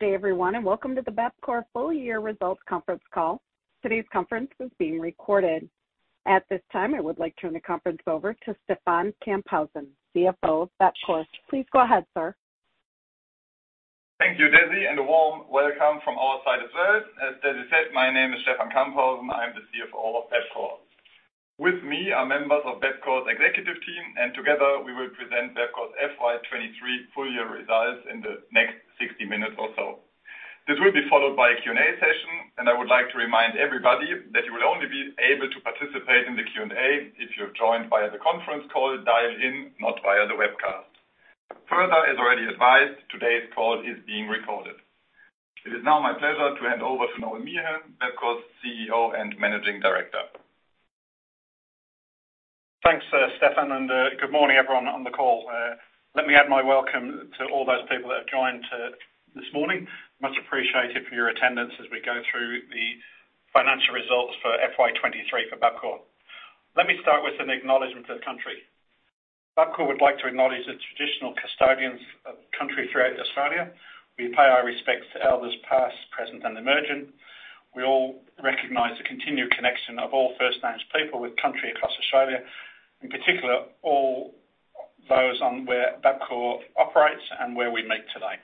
Good day everyone, welcome to the Bapcor Full Year Results conference call. Today's conference is being recorded. At this time, I would like to turn the conference over to Stefan Camphausen, CFO of Bapcor. Please go ahead, sir. Thank you, Desi, a warm welcome from our side as well. As Desi said, my name is Stefan Camphausen. I'm the CFO of Bapcor. With me are members of Bapcor's Executive Team, and together we will present Bapcor's FY 2023 full year results in the next 60 minutes or so. This will be followed by a Q&A session, and I would like to remind everybody that you will only be able to participate in the Q&A if you're joined via the conference call dial-in, not via the webcast. Further, as already advised, today's call is being recorded. It is now my pleasure to hand over to Noel Meehan, Bapcor's CEO and Managing Director. Thanks, Stefan, and good morning, everyone on the call. Let me add my welcome to all those people that have joined this morning. Much appreciated for your attendance as we go through the financial results for FY 2023 for Bapcor. Let me start with an Acknowledgement to Country. Bapcor would like to acknowledge the traditional custodians of Country throughout Australia. We pay our respects to Elders past, present, and emerging. We all recognize the continued connection of all First Nations people with Country across Australia, in particular, all those on where Bapcor operates and where we meet today.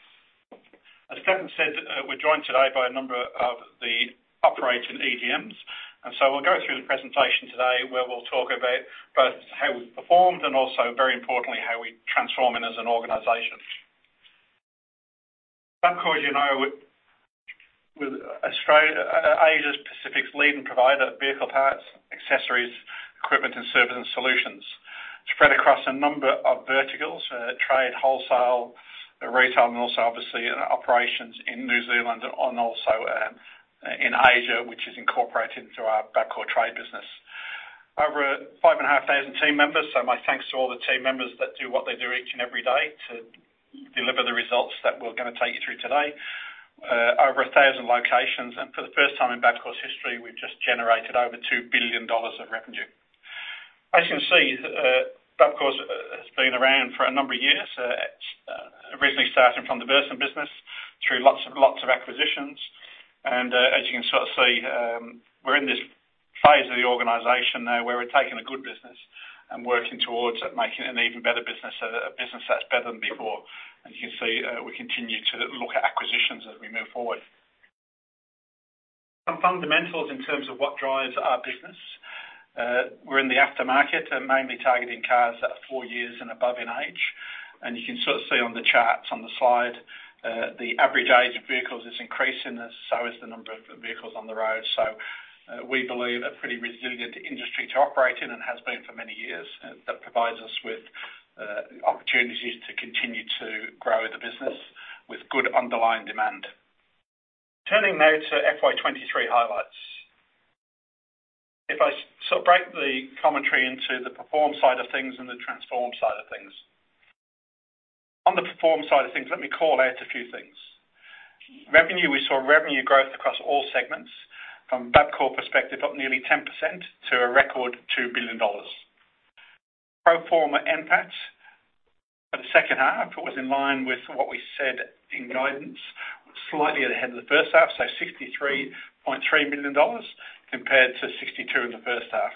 As Stefan said, we're joined today by a number of the operating EDMs. We'll go through the presentation today, where we'll talk about both how we've performed and also, very importantly, how we're transforming as an organization. Bapcor, you know, with Australia-Asia Pacific's leading provider of vehicle parts, accessories, equipment, and service, and solutions, spread across a number of verticals, trade, wholesale, retail, and also obviously, operations in New Zealand and also, in Asia, which is incorporated into our Bapcor Trade business. Over 5,500 team members. My thanks to all the team members that do what they do each and every day to deliver the results that we're going to take you through today. Over 1,000 locations. For the first time in Bapcor's history, we've just generated over 2 billion dollars of revenue. As you can see, Bapcor has been around for a number of years, originally starting from the Burson business through lots and lots of acquisitions. As you can sort of see, we're in this phase of the organization now where we're taking a good business and working towards making it an even better business, so a business that's Better Than Before. As you can see, we continue to look at acquisitions as we move forward. Some fundamentals in terms of what drives our business. We're in the aftermarket and mainly targeting cars that are four years and above in age. You can sort of see on the charts on the slide, the average age of vehicles is increasing, and so is the number of vehicles on the road. We believe a pretty resilient industry to operate in and has been for many years. That provides us with opportunities to continue to grow the business with good underlying demand. Turning now to FY 2023 highlights. If I sort of break the commentary into the perform side of things and the transform side of things. On the perform side of things, let me call out a few things. Revenue, we saw revenue growth across all segments. From Bapcor perspective, up nearly 10% to a record 2 billion dollars. Pro forma NPAT for the second half was in line with what we said in guidance, slightly ahead of the first half, so AUD 63.3 million compared to 62 million in the first half.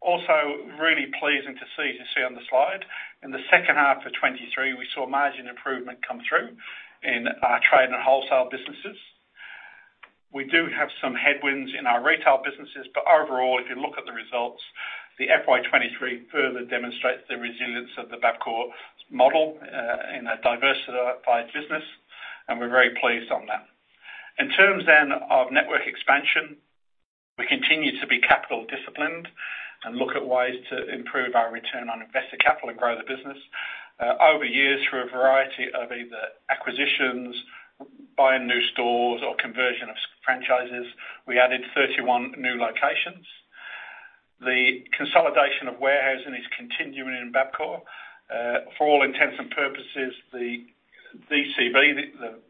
Also really pleasing to see, to see on the slide, in the second half of 2023, we saw margin improvement come through in our trade and wholesale businesses. Overall, if you look at the results, the FY 2023 further demonstrates the resilience of the Bapcor model in a diversified business, we're very pleased on that. In terms of network expansion, we continue to be capital disciplined and look at ways to improve our return on invested capital and grow the business. Over years, through a variety of either acquisitions, buying new stores or conversion of franchises, we added 31 new locations. The consolidation of warehousing is continuing in Bapcor. For all intents and purposes, the DC, the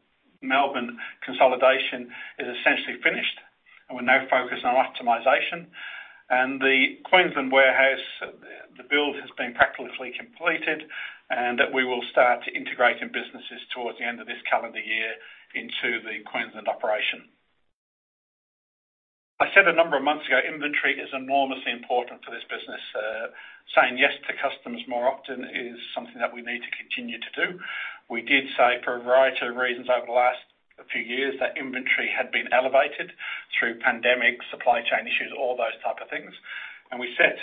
Melbourne consolidation, is essentially finished, we're now focused on optimization. The Queensland warehouse, the build has been practically completed, and that we will start integrating businesses towards the end of this calendar year into the Queensland operation. I said a number of months ago, inventory is enormously important for this business. Saying yes to customers more often is something that we need to continue to do. We did say, for a variety of reasons over the last few years, that inventory had been elevated through pandemic, supply chain issues, all those type of things. We set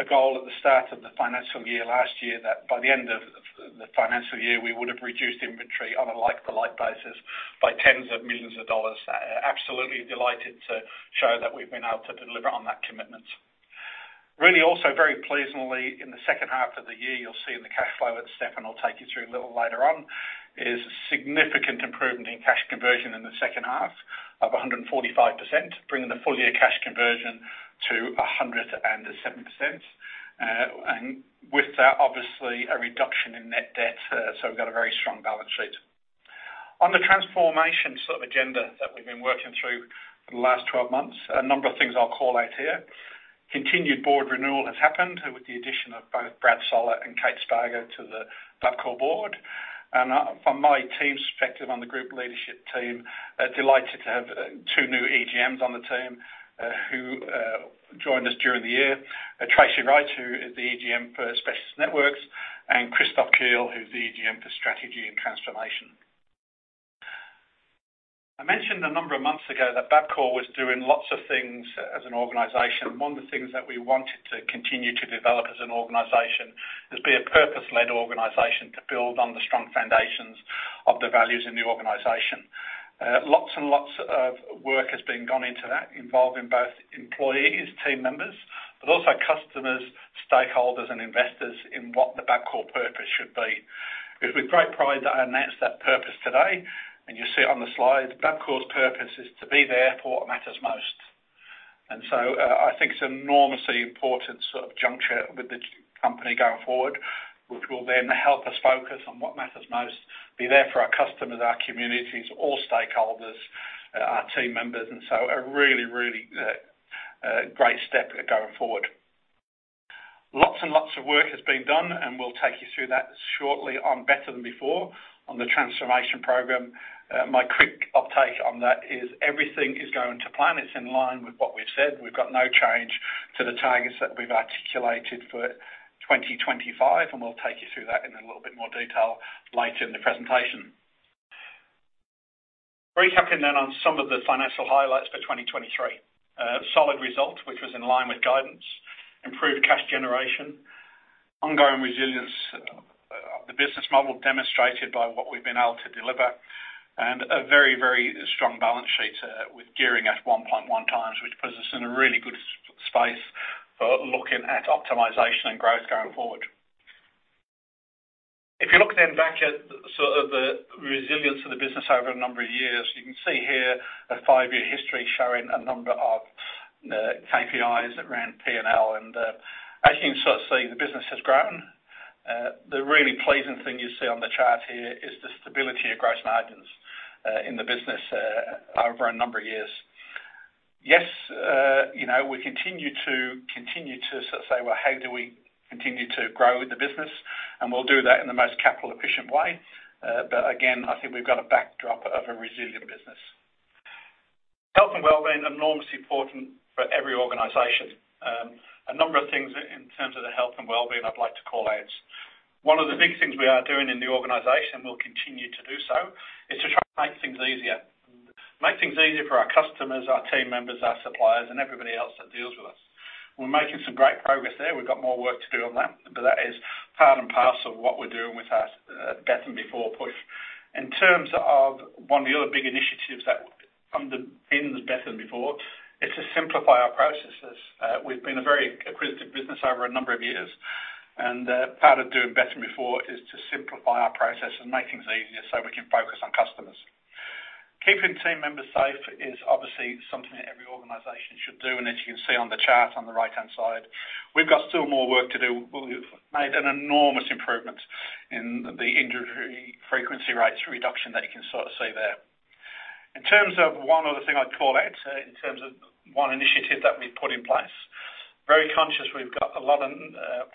a goal at the start of the financial year last year, that by the end of the financial year, we would have reduced inventory on a like-to-like basis by AUD tens of millions. Absolutely delighted to show that we've been able to deliver on that commitment. Really also very pleasingly, in the second half of the year, you'll see in the cash flow that Stefan will take you through a little later on, is significant improvement in cash conversion in the second half of 145%, bringing the full year cash conversion to 107%. With that, obviously a reduction in net debt, so we've got a very strong balance sheet. On the transformation sort of agenda that we've been working through for the last 12 months, a number of things I'll call out here.... Continued board renewal has happened with the addition of both Brad Soller and Kate Spargo to the Bapcor board. From my team's perspective on the group leadership team, delighted to have two new EGMs on the team, who joined us during the year. Tracey Wright, who is the EGM for Specialist Networks, and Kristoff Keele, who is the EGM for Strategy and Transformation. I mentioned a number of months ago that Bapcor was doing lots of things as an organization. One of the things that we wanted to continue to develop as an organization is be a purpose-led organization to build on the strong foundations of the values in the organization. Lots and lots of work has been gone into that, involving both employees, team members, but also customers, stakeholders, and investors in what the Bapcor purpose should be. It's with great pride that I announce that purpose today, and you see it on the slide. Bapcor's purpose is to be there for what matters most. I think it's an enormously important sort of juncture with the company going forward, which will then help us focus on what matters most, be there for our customers, our communities, all stakeholders, our team members, and so a really, really great step going forward. Lots and lots of work has been done, and we'll take you through that shortly on Better Than Before on the transformation program. My quick uptake on that is everything is going to plan. It's in line with what we've said. We've got no change to the targets that we've articulated for 2025, and we'll take you through that in a little bit more detail later in the presentation. Recapping on some of the financial highlights for 2023. A solid result, which was in line with guidance, improved cash generation, ongoing resilience of the business model, demonstrated by what we've been able to deliver, and a very, very strong balance sheet, with gearing at 1.1 times, which puts us in a really good space for looking at optimization and growth going forward. If you look then back at sort of the resilience of the business over a number of years, you can see here a five-year history showing a number of KPIs around P&L. As you can sort of see, the business has grown. The really pleasing thing you see on the chart here is the stability of gross margins in the business over a number of years. Yes, you know, we continue to, continue to sort of say, "Well, how do we continue to grow the business?" We'll do that in the most capital efficient way. Again, I think we've got a backdrop of a resilient business. Health and well-being, enormously important for every organization. A number of things in terms of the health and well-being I'd like to call out. One of the big things we are doing in the organization, we'll continue to do so, is to try to make things easier. Make things easier for our customers, our team members, our suppliers, and everybody else that deals with us. We're making some great progress there. We've got more work to do on that, but that is part and parcel of what we're doing with our Better Than Before push. In terms of one of the other big initiatives that underpins Better Than Before, it's to simplify our processes. We've been a very acquisitive business over a number of years, and, part of doing Better Than Before is to simplify our process and make things easier so we can focus on customers. Keeping team members safe is obviously something that every organization should do, and as you can see on the chart on the right-hand side, we've got still more work to do. We've made an enormous improvement in the injury frequency rates reduction that you can sort of see there. In terms of one other thing I'd call out, in terms of one initiative that we've put in place, very conscious, we've got a lot of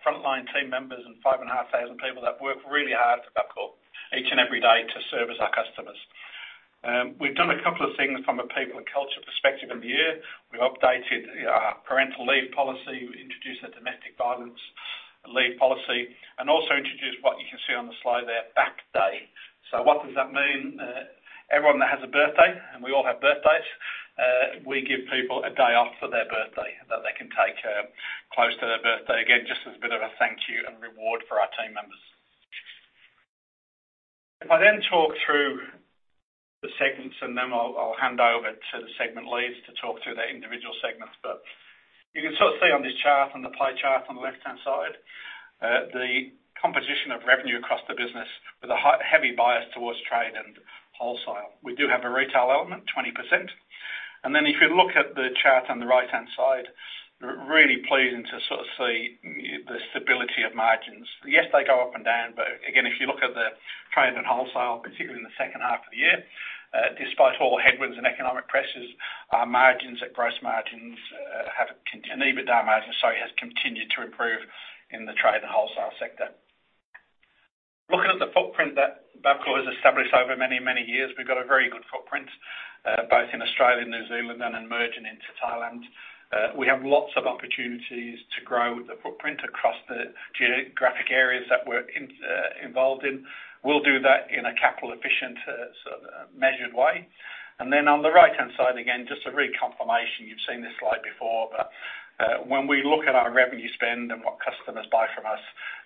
frontline team members and 5,500 people that work really hard at Bapcor each and every day to service our customers. We've done two things from a people and culture perspective in the year. We updated our parental leave policy. We introduced a domestic violence leave policy and also introduced what you can see on the slide there, Back Day. What does that mean? Everyone that has a birthday, and we all have birthdays, we give people a day off for their birthday that they can take close to their birthday. Again, just as a bit of a thank you and reward for our team members. I then talk through the segments, and then I'll, I'll hand over to the segment leads to talk through their individual segments. You can sort of see on this chart, on the pie chart on the left-hand side, the composition of revenue across the business with a hi-- heavy bias towards trade and wholesale. We do have a retail element, 20%. Then if you look at the chart on the right-hand side, really pleasing to sort of see the stability of margins. Yes, they go up and down, but again, if you look at the trade and wholesale, particularly in the second half of the year, despite all the headwinds and economic pressures, our margins at gross margins, have con-- and EBITDA margins, sorry, has continued to improve in the trade and wholesale sector. Looking at the footprint that Bapcor has established over many, many years, we've got a very good footprint, both in Australia and New Zealand and emerging into Thailand. We have lots of opportunities to grow the footprint across the geographic areas that we're in, involved in. We'll do that in a capital efficient, sort of measured way. Then on the right-hand side, again, just a reconfirmation. You've seen this slide before, when we look at our revenue spend and what customers buy from us,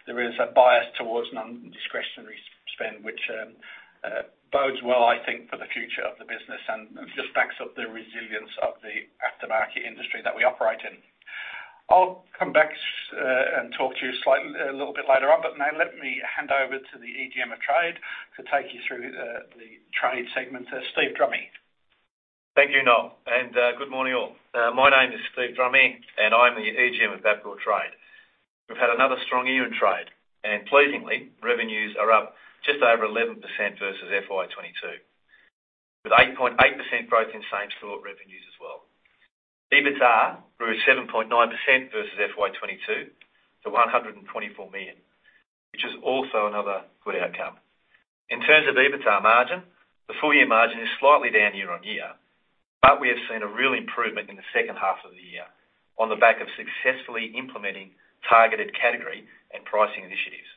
there is a bias towards non-discretionary spend, which, bodes well, I think, for the future of the business and just backs up the resilience of the aftermarket industry that we operate in. I'll come back and talk to you slightly, a little bit later on, but now let me hand over to the AGM of Trade to take you through the Trade segment, Steve Drummy. Thank you, Noel, and good morning, all. My name is Steve Drummy, and I'm the AGM of Bapcor Trade. We've had another strong year in trade, and pleasingly, revenues are up just over 11% versus FY 2022. With 8.8% growth in same-store revenues as well. EBITDA grew 7.9% versus FY 2022 to 124 million, which is also another good outcome. In terms of EBITDA margin, the full year margin is slightly down year-on-year, but we have seen a real improvement in the second half of the year on the back of successfully implementing targeted category and pricing initiatives.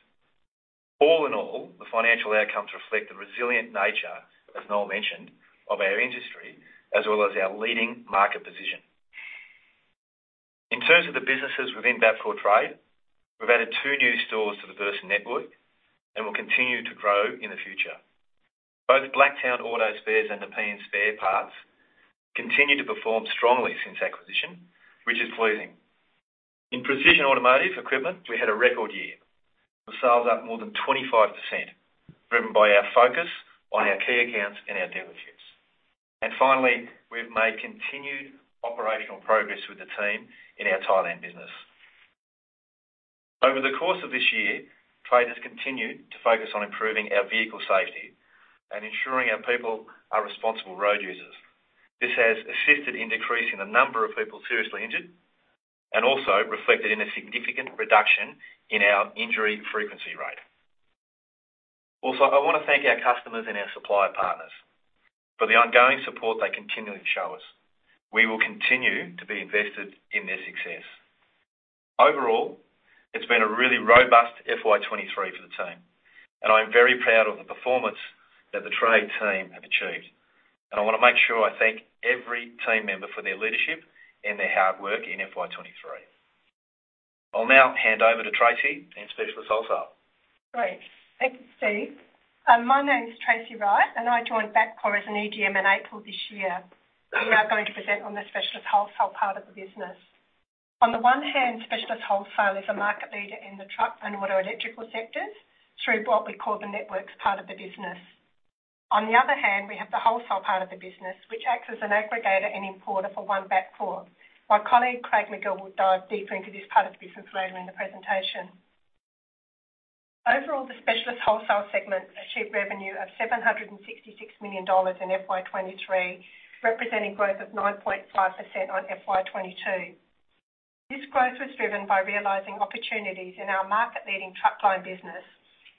All in all, the financial outcomes reflect the resilient nature, as Noel mentioned, of our industry, as well as our leading market position. In terms of the businesses within Bapcor Trade, we've added two new stores to the Burson Network and will continue to grow in the future. Both Blacktown Auto Spares and the P&N Spare Parts continue to perform strongly since acquisition, which is pleasing. In Precision Automotive Equipment, we had a record year, with sales up more than 25%, driven by our focus on our key accounts and our dealerships. Finally, we've made continued operational progress with the team in our Thailand business. Over the course of this year, Trade has continued to focus on improving our vehicle safety and ensuring our people are responsible road users. This has assisted in decreasing the number of people seriously injured and also reflected in a significant reduction in our injury frequency rate. I want to thank our customers and our supplier partners for the ongoing support they continually show us. We will continue to be invested in their success. Overall, it's been a really robust FY 2023 for the team, and I'm very proud of the performance that the Trade team have achieved. I want to make sure I thank every team member for their leadership and their hard work in FY 2023. I'll now hand over to Tracey in Specialist Wholesale. Great. Thank you, Steve. My name is Tracey Wright, and I joined Bapcor as an EGM in April this year. We are going to present on the Specialist Wholesale part of the business. On the one hand, Specialist Wholesale is a market leader in the truck and auto electrical sectors through what we call the networks part of the business. On the other hand, we have the wholesale part of the business, which acts as an aggregator and importer for One Bapcor. My colleague, Craig Magill, will dive deeper into this part of the business later in the presentation. Overall, the Specialist Wholesale segment achieved revenue of 766 million dollars in FY 2023, representing growth of 9.5% on FY 2022. This growth was driven by realizing opportunities in our market-leading Truckline business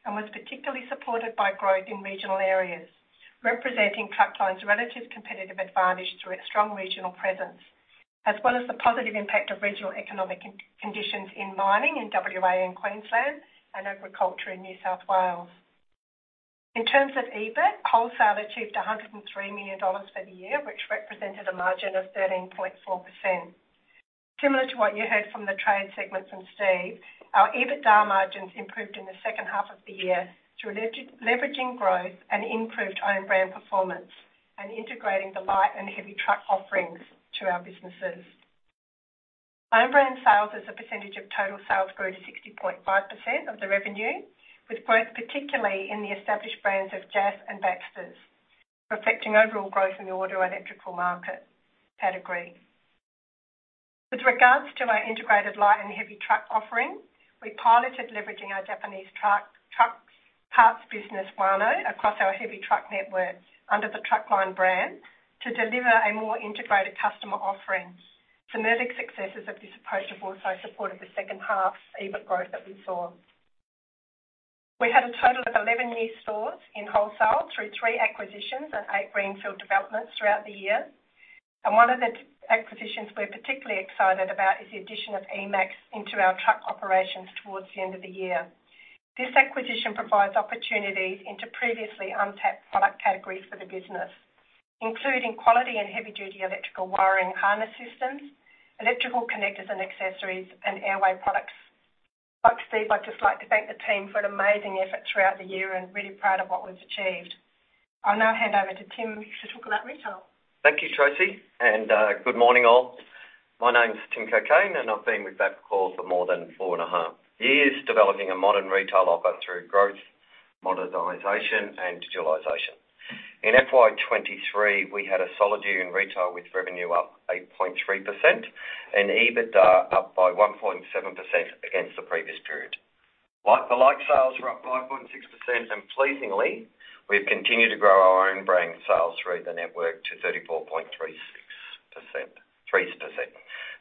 and was particularly supported by growth in regional areas, representing Truckline's relative competitive advantage through its strong regional presence, as well as the positive impact of regional economic conditions in mining in WA and Queensland and agriculture in New South Wales. In terms of EBIT, wholesale achieved 103 million dollars for the year, which represented a margin of 13.4%. Similar to what you heard from the trade segment from Steve, our EBITDA margins improved in the second half of the year through leveraging growth and improved own-brand performance and integrating the light and heavy truck offerings to our businesses. Own brand sales as a percentage of total sales grew to 60.5% of the revenue, with growth particularly in the established brands of JAS and Baxters, reflecting overall growth in the auto electrical market category. With regards to our integrated light and heavy truck offering, we piloted leveraging our Japanese truck parts business, WANO, across our heavy truck network under the Truckline brand, to deliver a more integrated customer offerings. Preliminary successes of this approach have also supported the second half EBIT growth that we saw. We had a total of 11 new stores in wholesale through three acquisitions and eight greenfield developments throughout the year. One of the acquisitions we're particularly excited about is the addition of E-Max into our truck operations towards the end of the year. This acquisition provides opportunities into previously untapped product categories for the business, including quality and heavy-duty electrical wiring harness systems, electrical connectors and accessories, and airway products. Like Steve, I'd just like to thank the team for an amazing effort throughout the year and really proud of what was achieved. I'll now hand over to Tim to talk about retail. Thank you, Tracey. Good morning, all. My name is Tim Cockayne, I've been with Bapcor for more than 4.5 years, developing a modern retail offer through growth, modernization, and digitalization. In FY 2023, we had a solid year in retail, with revenue up 8.3% and EBITDA up by 1.7% against the previous period. Like-for-like, sales were up 5.6%, pleasingly, we've continued to grow our own brand sales through the network to 34.3%.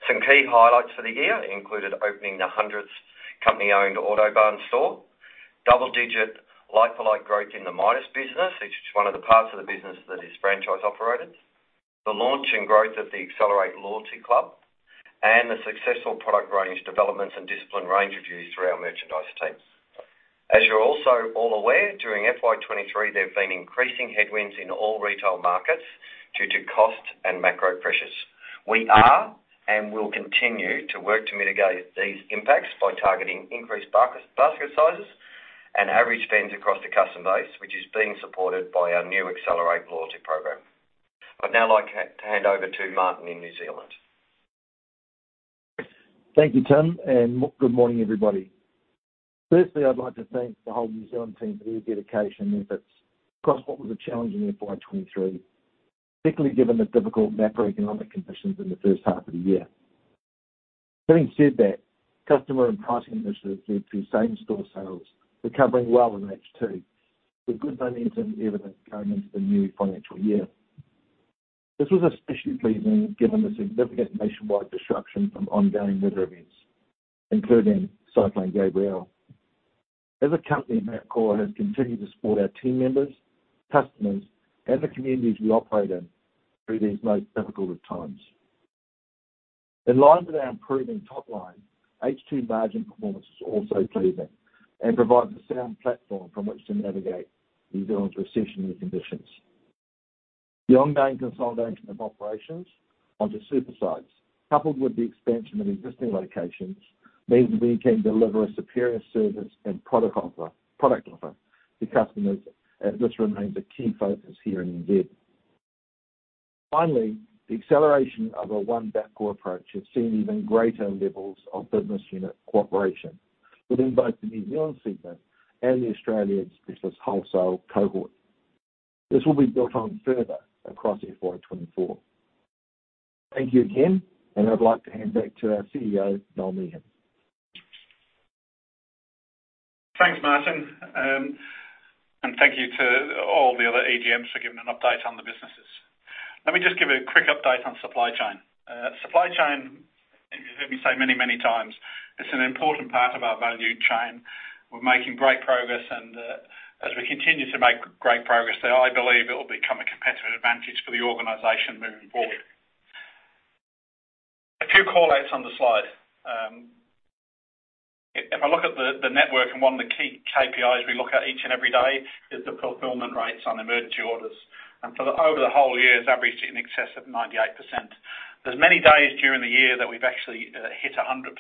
Some key highlights for the year included opening the 100th company-owned Autobarn store, double-digit like-for-like growth in the Midas business, which is one of the parts of the business that is franchise operated, the launch and growth of the Accelerate Loyalty Club, the successful product range developments and disciplined range reviews through our merchandise teams. As you're also all aware, during FY 2023, there have been increasing headwinds in all retail markets due to cost and macro pressures. We are and will continue to work to mitigate these impacts by targeting increased basket, basket sizes and average spends across the customer base, which is being supported by our new Accelerate Loyalty program. I'd now like to hand over to Martin in New Zealand. Thank you, Tim, and good morning, everybody. Firstly, I'd like to thank the whole New Zealand team for their dedication and efforts across what was a challenging FY 2023, particularly given the difficult macroeconomic conditions in the first half of the year. Having said that, customer and pricing initiatives led to same-store sales recovering well in H2, with good momentum evident going into the new financial year. This was especially pleasing given the significant nationwide disruption from ongoing weather events, including Cyclone Gabrielle. As a company, Bapcor has continued to support our team members, customers, and the communities we operate in through these most difficult of times. In line with our improving top line, H2 margin performance is also pleasing and provides a sound platform from which to navigate New Zealand's recessionary conditions. The ongoing consolidation of operations onto super sites, coupled with the expansion of existing locations, means we can deliver a superior service and product offer, product offer to customers, and this remains a key focus here in NZ. Finally, the acceleration of a One Bapcor approach has seen even greater levels of business unit cooperation within both the New Zealand segment and the Australian Specialist Wholesale cohort. This will be built on further across FY 2024. Thank you again, and I'd like to hand back to our CEO, Noel Meehan. Thanks, Martin, thank you to all the other AGMs for giving an update on the businesses. Let me just give a quick update on supply chain. Supply chain, you've heard me say many, many times, it's an important part of our value chain. We're making great progress, and as we continue to make great progress there, I believe it will become a competitive advantage for the organization moving forward. A few call-outs on the slide. If I look at the network and one of the key KPIs we look at each and every day is the fulfillment rates on emergency orders. Over the whole year, it's averaged in excess of 98%. There's many days during the year that we've actually hit 100%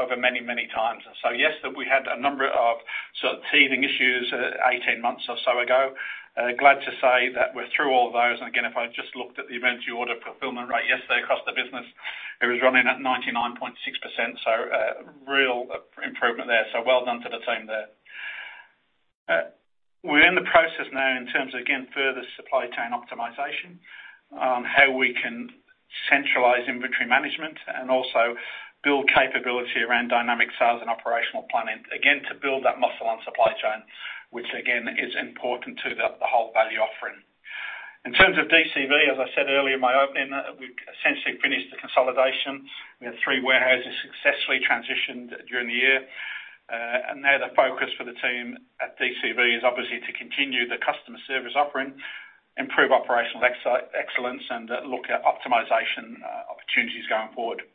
over many, many times. Yes, we had a number of sort of teething issues 18 months or so ago. Glad to say that we're through all those. Again, if I just looked at the emergency order fulfillment rate yesterday across the business, it was running at 99.6%, so real improvement there. Well done to the team there. We're in the process now in terms of, again, further supply chain optimization on how we can centralize inventory management and also build capability around dynamic sales and operational planning, again, to build that muscle on supply chain, which again, is important to the whole value offering. In terms of DCV, as I said earlier in my opening, we've essentially finished the consolidation. We had three warehouses successfully transitioned during the year. Now the focus for the team at DCV is obviously to continue the customer service offering, improve operational excellence, and look at optimization opportunities going forward.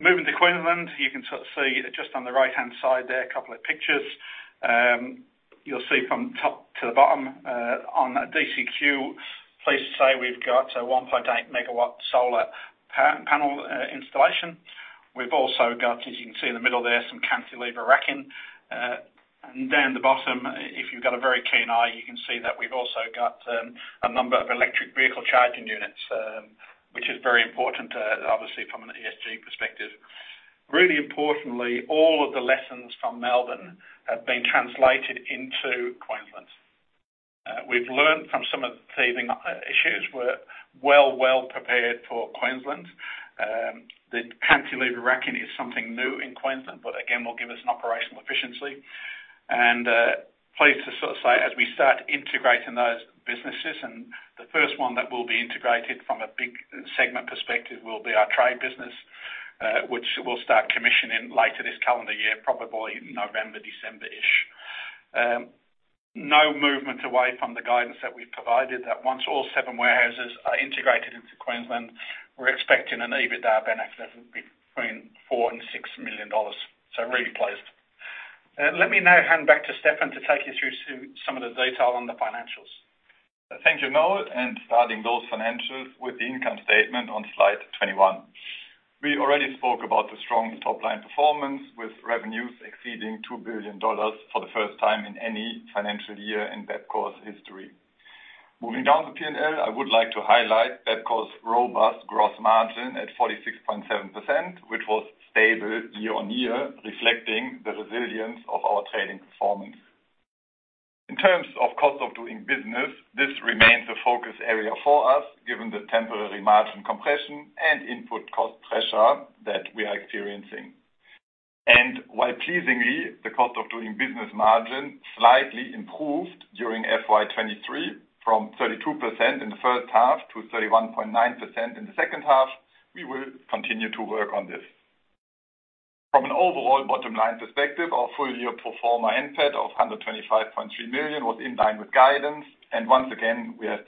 Moving to Queensland, you can sort of see just on the right-hand side there, a couple of pictures. You'll see from top to the bottom, on DCQ, pleased to say we've got a 1.8 MW solar panel installation. We've also got, as you can see in the middle there, some cantilever racking. Down the bottom, if you've got a very keen eye, you can see that we've also got a number of electric vehicle charging units, which is very important, obviously from an ESG perspective. Really importantly, all of the lessons from Melbourne have been translated into Queensland. We've learned from some of the teething issues. We're well, well prepared for Queensland. The cantilever racking is something new in Queensland, but again, will give us an operational efficiency. Pleased to sort of say, as we start integrating those businesses, the first one that will be integrated from a big segment perspective will be our Trade business, which we'll start commissioning later this calendar year, probably November, December-ish. No movement away from the guidance that we've provided, that once all seven warehouses are integrated into Queensland, we're expecting an EBITDA benefit between 4 million-6 million dollars. Really pleased. Let me now hand back to Stefan to take you through some, some of the detail on the financials. Thank you, Noel. Starting those financials with the income statement on slide 21. We already spoke about the strong top-line performance, with revenues exceeding 2 billion dollars for the first time in any financial year in Bapcor's history. Moving down the P&L, I would like to highlight Bapcor's robust gross margin at 46.7%, which was stable year-on-year, reflecting the resilience of our trading performance. In terms of cost of doing business, this remains a focus area for us, given the temporary margin compression and input cost pressure that we are experiencing. While pleasingly, the cost of doing business margin slightly improved during FY 2023, from 32% in the first half to 31.9% in the second half, we will continue to work on this. From an overall bottom line perspective, our full-year pro forma NPAT of 125.3 million was in line with guidance. Once again, we have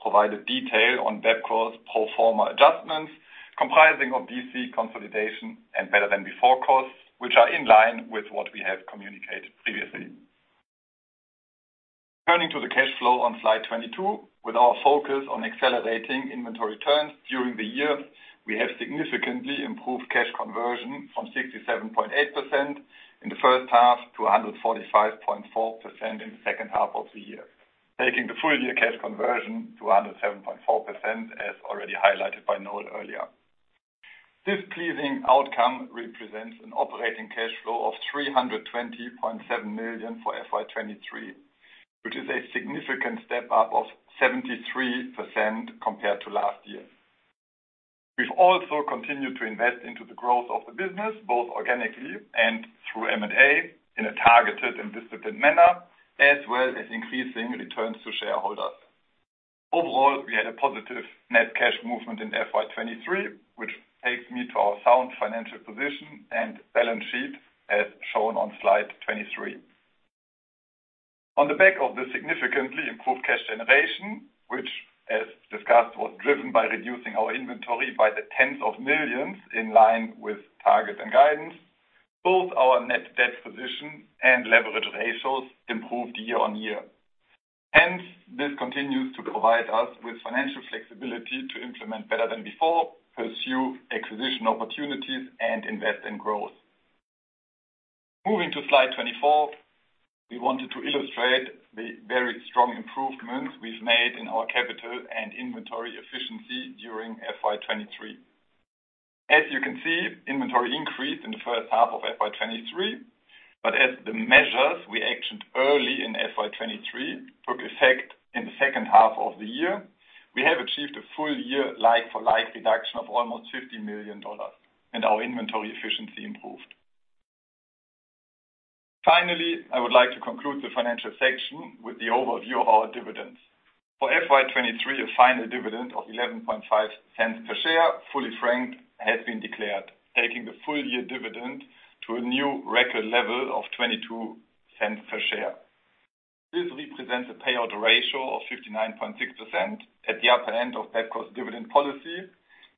provided detail on Bapcor's pro forma adjustments, comprising of DC consolidation and Better Than Before costs, which are in line with what we have communicated previously. Turning to the cash flow on slide 22, with our focus on accelerating inventory turns during the year, we have significantly improved cash conversion from 67.8% in the first half to 145.4% in the second half of the year, taking the full-year cash conversion to 107.4%, as already highlighted by Noel earlier. This pleasing outcome represents an operating cash flow of 320.7 million for FY 2023, which is a significant step-up of 73% compared to last year. We've also continued to invest into the growth of the business, both organically and through M&A, in a targeted and disciplined manner, as well as increasing returns to shareholders. Overall, we had a positive net cash movement in FY 2023, which takes me to our sound financial position and balance sheet, as shown on slide 23. On the back of the significantly improved cash generation, which, as discussed, was driven by reducing our inventory by AUD tens of millions in line with target and guidance, both our net debt position and leverage ratios improved year-on-year. This continues to provide us with financial flexibility to implement Better Than Before, pursue acquisition opportunities, and invest in growth. Moving to slide 24, we wanted to illustrate the very strong improvements we've made in our capital and inventory efficiency during FY 2023. As you can see, inventory increased in the first half of FY 2023, as the measures we actioned early in FY 2023 took effect in the second half of the year, we have achieved a full year like-for-like reduction of almost 50 million dollars, our inventory efficiency improved. Finally, I would like to conclude the financial section with the overview of our dividends. For FY 2023, a final dividend of 0.115 per share, fully franked, has been declared, taking the full year dividend to a new record level of 0.22 per share. This represents a payout ratio of 59.6% at the upper end of Bapcor's dividend policy,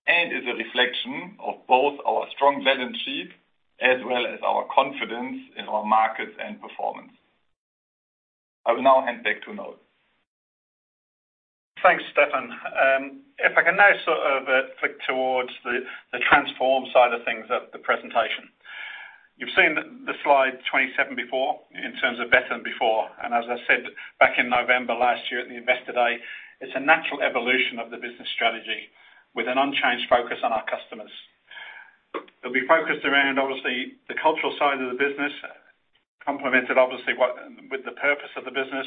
and is a reflection of both our strong balance sheet as well as our confidence in our markets and performance. I will now hand back to Noel. Thanks, Stefan. If I can now sort of flick towards the transform side of things of the presentation. You've seen the slide 27 before in terms of Better Than Before, and as I said back in November last year at the Investor Day, it's a natural evolution of the business strategy with an unchanged focus on our customers. It'll be focused around, obviously, the cultural side of the business, complemented, obviously, with the purpose of the business,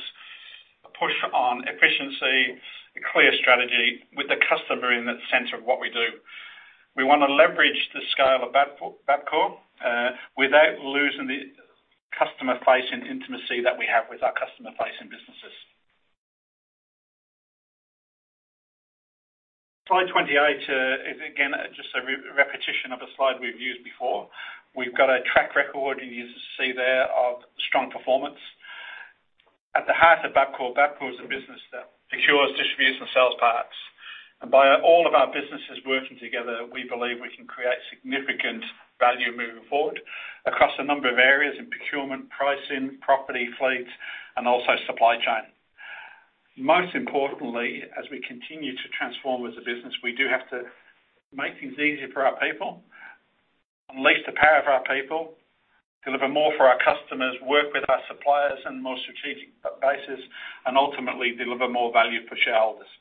a push on efficiency, a clear strategy with the customer in the center of what we do. We want to leverage the scale of Bapcor, Bapcor, without losing the customer face and intimacy that we have with our customer-facing businesses. Slide 28, is, again, just a repetition of a slide we've used before. We've got a track record, you see there, of strong performance. At the heart of Bapcor, Bapcor is a business that procures, distributes, and sells parts. By all of our businesses working together, we believe we can create significant value moving forward across a number of areas in procurement, pricing, property, fleet, and also supply chain. Most importantly, as we continue to transform as a business, we do have to make things easier for our people, unleash the power of our people, deliver more for our customers, work with our suppliers on a more strategic basis, and ultimately, deliver more value for shareholders.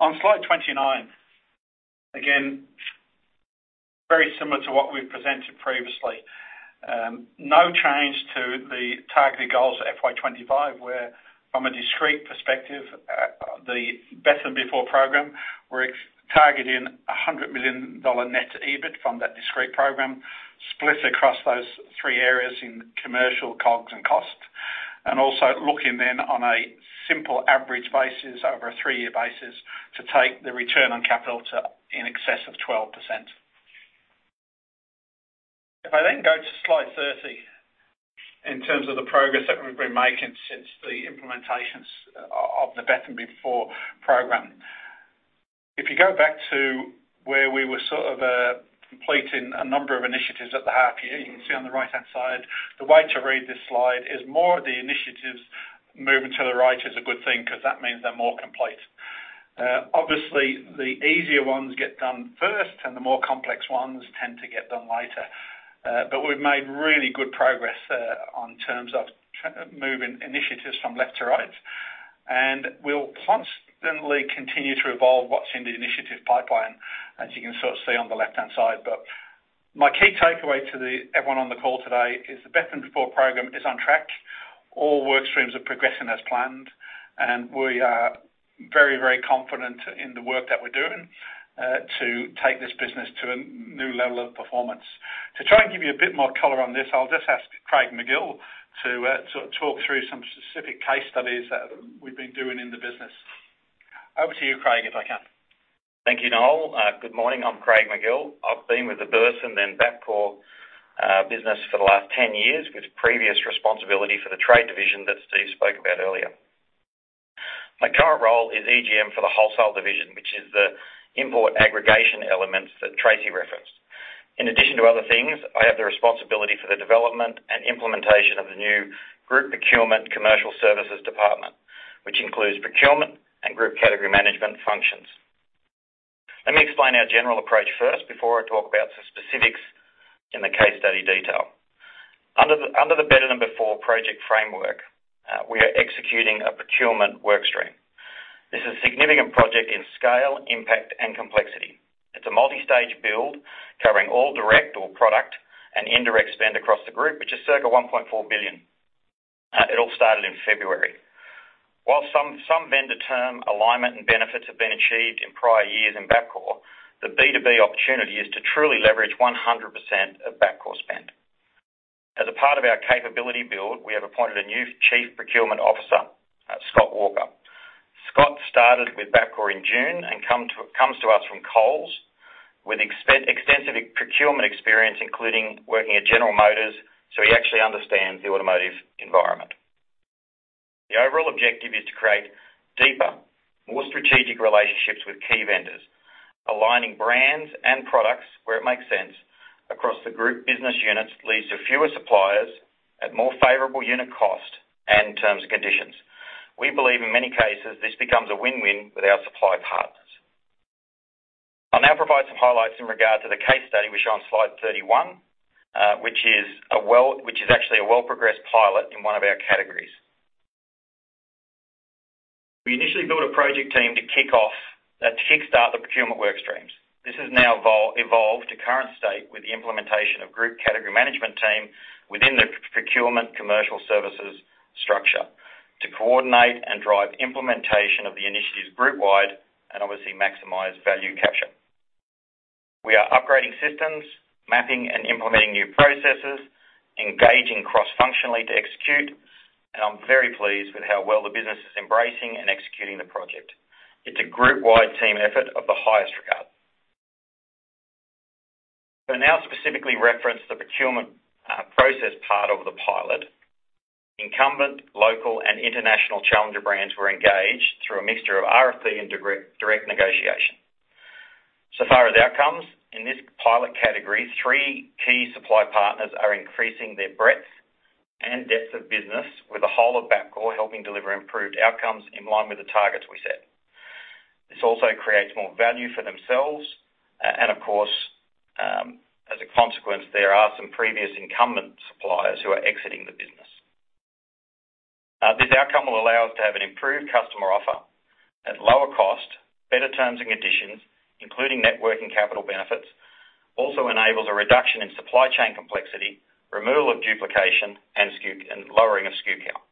On slide 29, again, very similar to what we've presented previously. No change to the targeted goals FY 2025, where from a discrete perspective, the Better Than Before program, we're targeting 100 million dollar net EBIT from that discrete program, split across those three areas in commercial, COGS, and costs. Also looking then on a simple average basis, over a three-year basis, to take the return on capital to in excess of 12%. If I then go to slide 30, in terms of the progress that we've been making since the implementations of the Better Than Before program. If you go back to where we were sort of, completing a number of initiatives at the half year, you can see on the right-hand side, the way to read this slide is more of the initiatives moving to the right is a good thing because that means they're more complete. Obviously, the easier ones get done first and the more complex ones tend to get done later. We've made really good progress on terms of moving initiatives from left to right, and we'll constantly continue to evolve what's in the initiative pipeline, as you can sort of see on the left-hand side. My key takeaway to everyone on the call today is the Better Than Before program is on track. All work streams are progressing as planned, and we are very, very confident in the work that we're doing to take this business to a new level of performance. To try and give you a bit more color on this, I'll just ask Craig Magill to sort of talk through some specific case studies that we've been doing in the business. Over to you, Craig, if I can. Thank you, Noel. Good morning. I'm Craig Magill. I've been with the Burson and Bapcor business for the last 10 years, with previous responsibility for the trade division that Steve spoke about earlier. My current role is EGM for the Wholesale Division, which is the import aggregation elements that Tracey referenced. In addition to other things, I have the responsibility for the development and implementation of the new group procurement commercial services department, which includes procurement and group category management functions. Let me explain our general approach first before I talk about some specifics in the case study detail. Under the, under the Better Than Before project framework, we are executing a procurement work stream. This is a significant project in scale, impact, and complexity. It's a multi-stage build covering all direct or product and indirect spend across the group, which is circa 1.4 billion. It all started in February. While some, some vendor term alignment and benefits have been achieved in prior years in Bapcor, the B2B opportunity is to truly leverage 100% of Bapcor spend. As a part of our capability build, we have appointed a new Chief Procurement Officer, Scott Walker. Scott started with Bapcor in June and comes to us from Coles, with extensive procurement experience, including working at General Motors, so he actually understands the automotive environment. The overall objective is to create deeper, more strategic relationships with key vendors, aligning brands and products where it makes sense across the group business units, leads to fewer suppliers at more favorable unit cost and terms and conditions. We believe in many cases, this becomes a win-win with our supply partners. I'll now provide some highlights in regard to the case study, which is on slide 31, which is actually a well-progressed pilot in one of our categories. We initially built a project team to kick off, to kickstart the procurement work streams. This has now evolved to current state with the implementation of group category management team within the procurement commercial services structure to coordinate and drive implementation of the initiatives group-wide and obviously maximize value capture. We are upgrading systems, mapping and implementing new processes, engaging cross-functionally to execute, and I'm very pleased with how well the business is embracing and executing the project. It's a group-wide team effort of the highest regard. Now specifically reference the procurement process part of the pilot. Incumbent, local, and international challenger brands were engaged through a mixture of RFP and direct, direct negotiation. Far as outcomes, in this pilot category, three key supply partners are increasing their breadth and depth of business with the whole of Bapcor, helping deliver improved outcomes in line with the targets we set. This also creates more value for themselves, Of course, as a consequence, there are some previous incumbent suppliers who are exiting the business. This outcome will allow us to have an improved customer offer at lower cost, better terms and conditions, including net working capital benefits, also enables a reduction in supply chain complexity, removal of duplication, and lowering of SKU count.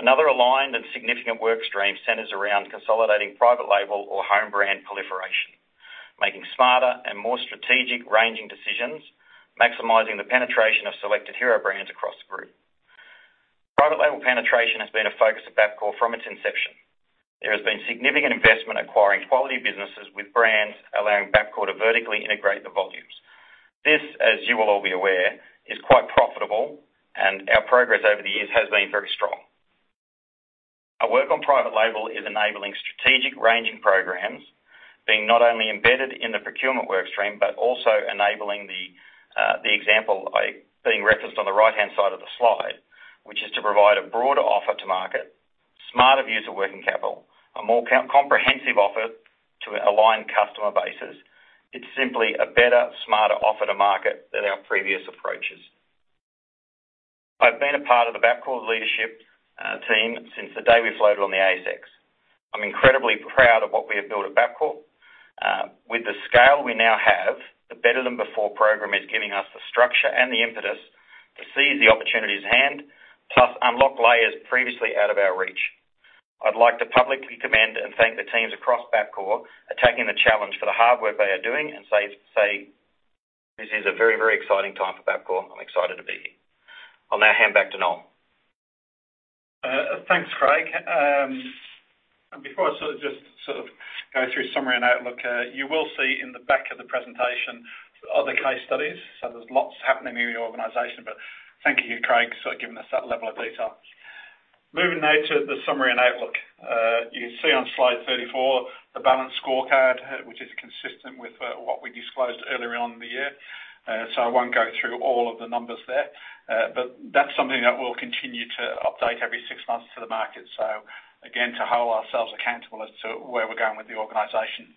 Another aligned and significant work stream centers around consolidating private label or home brand proliferation, making smarter and more strategic ranging decisions, maximizing the penetration of selected hero brands across the group. Private label penetration has been a focus of Bapcor from its inception. There has been significant investment acquiring quality businesses with brands, allowing Bapcor to vertically integrate the volumes. This, as you will all be aware, is quite profitable, and our progress over the years has been very strong. Our work on private label is enabling strategic ranging programs, being not only embedded in the procurement work stream, but also enabling the example being referenced on the right-hand side of the slide, which is to provide a broader offer to market, smarter use of working capital, a more comprehensive offer to align customer bases. It's simply a better, smarter offer to market than our previous approaches. I've been a part of the Bapcor leadership team since the day we floated on the ASX. I'm incredibly proud of what we have built at Bapcor. With the scale we now have, the Better Than Before program is giving us the structure and the impetus to seize the opportunities at hand, plus unlock layers previously out of our reach. I'd like to publicly commend and thank the teams across Bapcor, attacking the challenge for the hard work they are doing, and say, say this is a very, very exciting time for Bapcor. I'm excited to be here. I'll now hand back to Noel. Thanks, Craig. Before I go through summary and outlook, you will see in the back of the presentation other case studies. There's lots happening in the organization, but thank you, Craig, for giving us that level of detail. Moving now to the summary and outlook. You can see on slide 34, the balanced scorecard, which is consistent with what we disclosed earlier on in the year. I won't go through all of the numbers there, but that's something that we'll continue to update every six months to the market. Again, to hold ourselves accountable as to where we're going with the organization.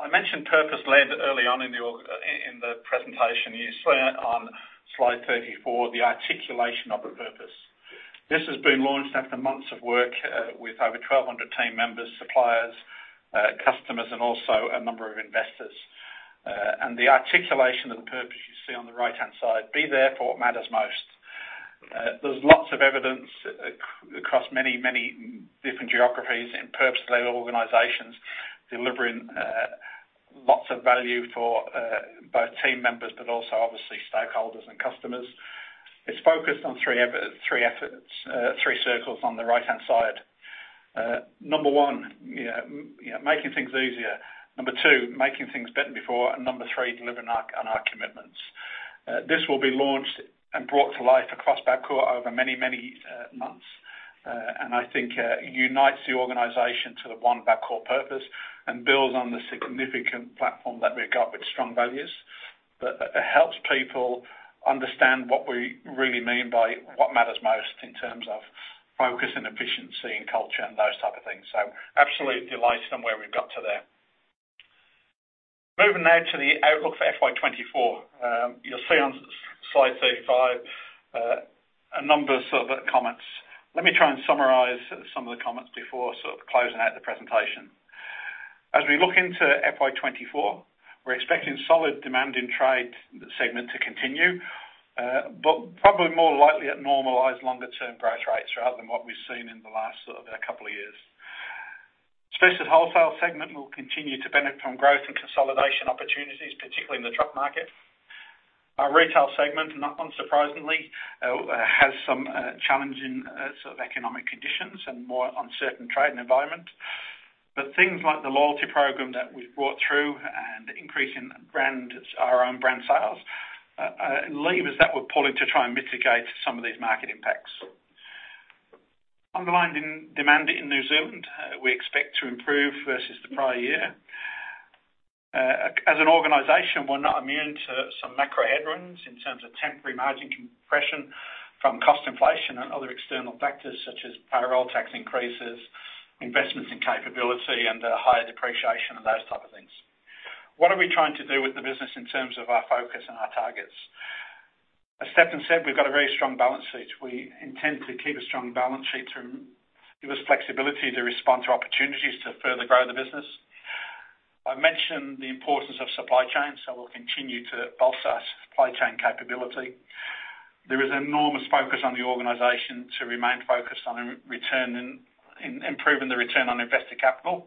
I mentioned purpose-led early on in the presentation. You see on slide 34, the articulation of the purpose. This has been launched after months of work, with over 1,200 team members, suppliers, customers, and also a number of investors. And the articulation of the purpose you see on the right-hand side, "Be there for what matters most." There's lots of evidence across many, many different geographies in purpose-led organizations, delivering lots of value for both team members, but also obviously stakeholders and customers. It's focused on three efforts, three circles on the right-hand side. Number one, making things easier. Number two, making things Better Than Before, and Number three, delivering on our, on our commitments. This will be launched and brought to life across Bapcor over many, many months. I think unites the organization to the One Bapcor purpose and builds on the significant platform that we've got with strong values. It, it helps people understand what we really mean by what matters most in terms of focus and efficiency and culture and those type of things. Absolutely delighted on where we've got to there. Moving now to the outlook for FY 2024. You'll see on slide 35. A number of sort of comments. Let me try and summarize some of the comments before sort of closing out the presentation. As we look into FY 2024, we're expecting solid demand in Trade segment to continue, but probably more likely at normalized longer-term growth rates rather than what we've seen in the last sort of a couple of years. Specialist Wholesale segment will continue to benefit from growth and consolidation opportunities, particularly in the truck market. Our retail segment, not unsurprisingly, has some challenging sort of economic conditions and more uncertain trading environment. Things like the loyalty program that we've brought through and increase in brand, our own brand sales, are levers that we're pulling to try and mitigate some of these market impacts. Underlying demand in New Zealand, we expect to improve versus the prior year. As an organization, we're not immune to some macro headwinds in terms of temporary margin compression from cost inflation and other external factors, such as payroll tax increases, investments in capability and higher depreciation and those type of things. What are we trying to do with the business in terms of our focus and our targets? As Stefan said, we've got a very strong balance sheet. We intend to keep a strong balance sheet to give us flexibility to respond to opportunities to further grow the business. I mentioned the importance of supply chain, so we'll continue to bolster our supply chain capability. There is an enormous focus on the organization to remain focused on return and improving the return on invested capital.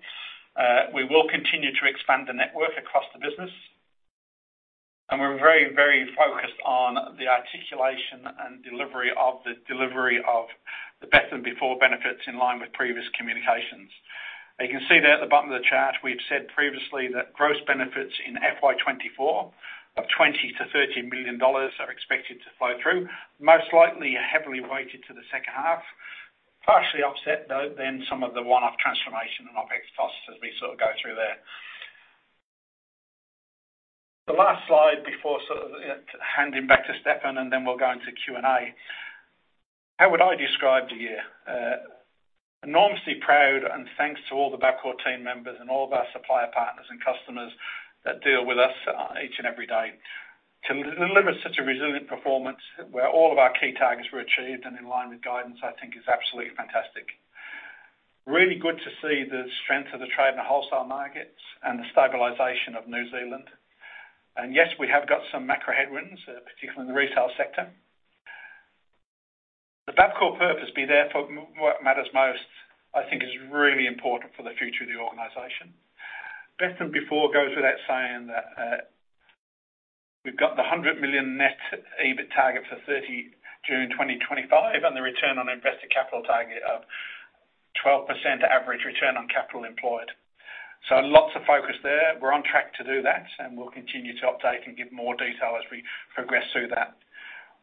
We will continue to expand the network across the business, and we're very, very focused on the articulation and delivery of the delivery of the Better Before benefits in line with previous communications. You can see there at the bottom of the chart, we've said previously that gross benefits in FY 2024 of 20 million-30 million dollars are expected to flow through, most likely heavily weighted to the second half. Partially offset, though, then some of the one-off transformation and OpEx costs as we sort of go through there. The last slide before sort of handing back to Stefan, then we'll go into Q&A. How would I describe the year? Enormously proud, and thanks to all the Bapcor team members and all of our supplier partners and customers that deal with us each and every day. To deliver such a resilient performance, where all of our key targets were achieved and in line with guidance, I think is absolutely fantastic. Really good to see the strength of the trade in the wholesale markets and the stabilization of New Zealand. Yes, we have got some macro headwinds, particularly in the retail sector. The Bapcor purpose, be there for what matters most, I think is really important for the future of the organization. Better Than Before goes without saying that we've got the 100 million net EBIT target for 30 June 2025, and the return on invested capital target of 12% average return on capital employed. Lots of focus there. We're on track to do that, and we'll continue to update and give more detail as we progress through that.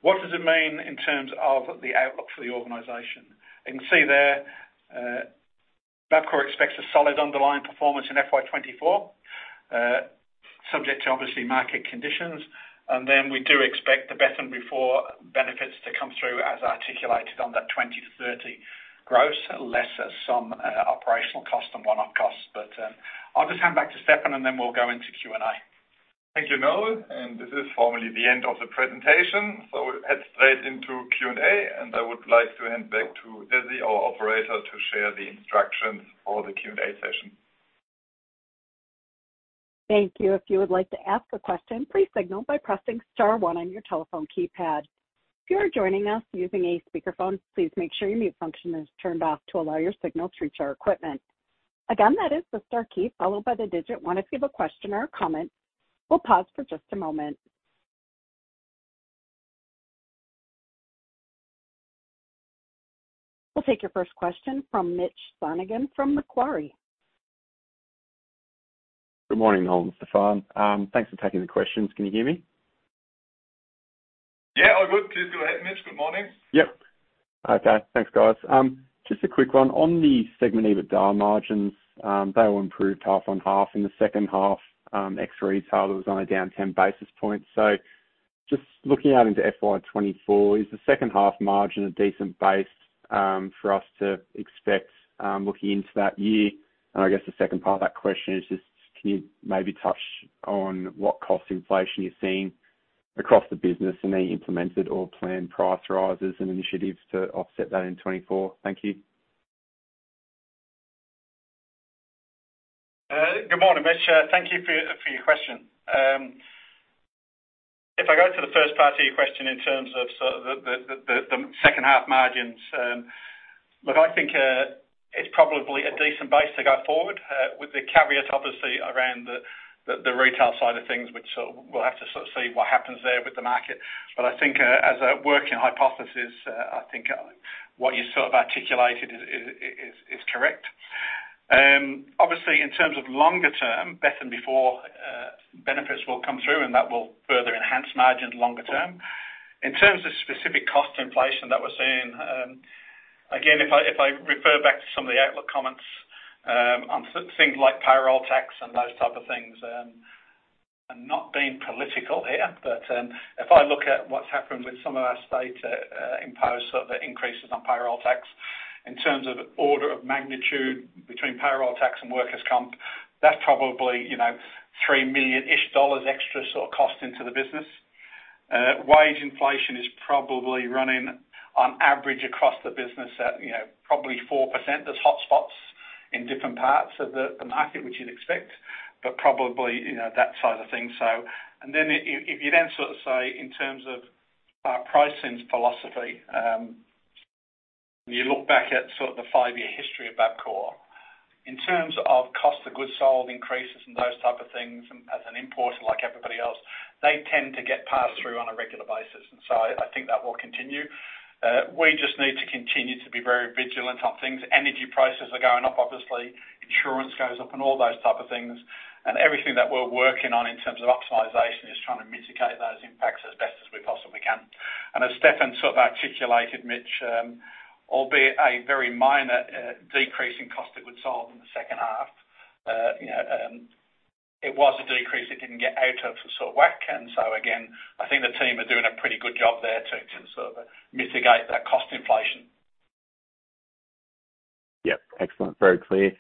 What does it mean in terms of the outlook for the organization? You can see there, Bapcor expects a solid underlying performance in FY 2024, subject to obviously, market conditions. We do expect the Better Than Before benefits to come through as articulated on that 20-30 gross, less some operational cost and one-off costs. I'll just hand back to Stefan, and then we'll go into Q&A. Thank you, Noel. This is formally the end of the presentation. We'll head straight into Q&A. I would like to hand back to Desi, our operator, to share the instructions for the Q&A session. Thank you. If you would like to ask a question, please signal by pressing star one on your telephone keypad. If you are joining us using a speakerphone, please make sure your mute function is turned off to allow your signal to reach our equipment. Again, that is the star key, followed by the digit one, if you have a question or a comment. We'll pause for just a moment. We'll take your first question from Mitch Sonogan from Macquarie. Good morning, Noel and Stefan. Thanks for taking the questions. Can you hear me? Yeah, all good. Please go ahead, Mitch. Good morning. Yep. Okay. Thanks, guys. Just a quick one. On the segment EBITDAR margins, they all improved half on half. In the second half, X retail was only down 10 basis points. Just looking out into FY 2024, is the second half margin a decent base for us to expect looking into that year? I guess the second part of that question is just, can you maybe touch on what cost inflation you're seeing across the business and any implemented or planned price rises and initiatives to offset that in 24? Thank you. Good morning, Mitch. Thank you for your question. If I go to the first part of your question in terms of sort of the second half margins, look, I think it's probably a decent base to go forward with the caveat, obviously, around the retail side of things, which we'll have to sort of see what happens there with the market. I think, as a working hypothesis, I think what you sort of articulated is correct. Obviously, in terms of longer term, Better Than Before benefits will come through, and that will further enhance margins longer term. In terms of specific cost inflation that we're seeing, again, if I, if I refer back to some of the outlook comments, on things like payroll tax and those type of things, I'm not being political here, but, if I look at what's happened with some of our states, impose sort of increases on payroll tax-... in terms of order of magnitude between payroll tax and workers' comp, that's probably, you know, 3 million dollars-ish extra sort of cost into the business. Wage inflation is probably running on average across the business at, you know, probably 4%. There's hotspots in different parts of the, the market, which you'd expect, but probably, you know, that side of things, so. Then if, if you then sort of say, in terms of our pricing philosophy, you look back at sort of the five-year history of Bapcor. In terms of cost of goods sold, increases, and those type of things, and as an importer, like everybody else, they tend to get passed through on a regular basis. I think that will continue. We just need to continue to be very vigilant on things. Energy prices are going up, obviously. Insurance goes up and all those type of things. Everything that we're working on in terms of optimization is trying to mitigate those impacts as best as we possibly can. As Stefan sort of articulated, Mitch, albeit a very minor decrease in cost of goods sold in the second half, you know, it was a decrease it didn't get out of sort of whack. So again, I think the team are doing a pretty good job there to, to sort of mitigate that cost inflation. Yep. Excellent. Very clear.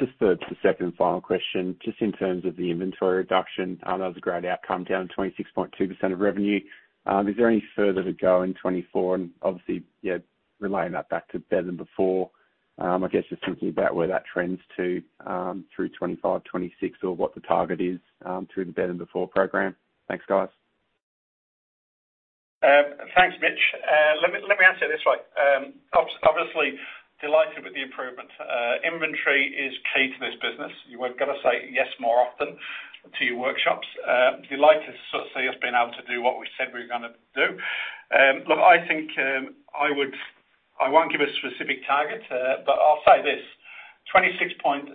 Just a, just second and final question, just in terms of the inventory reduction, that was a great outcome, down 26.2% of revenue. Is there any further to go in 2024? Obviously, yeah, relaying that back to Better Than Before, I guess just thinking about where that trends to, through 2025, 2026, or what the target is, through the Better Than Before program. Thanks, guys. Thanks, Mitch. Let me, let me answer it this way. Obviously, delighted with the improvement. Inventory is key to this business. You've got to say yes more often to your workshops. Delighted to sort of see us being able to do what we said we were gonna do. Look, I think, I won't give a specific target, but I'll say this: 26.2% is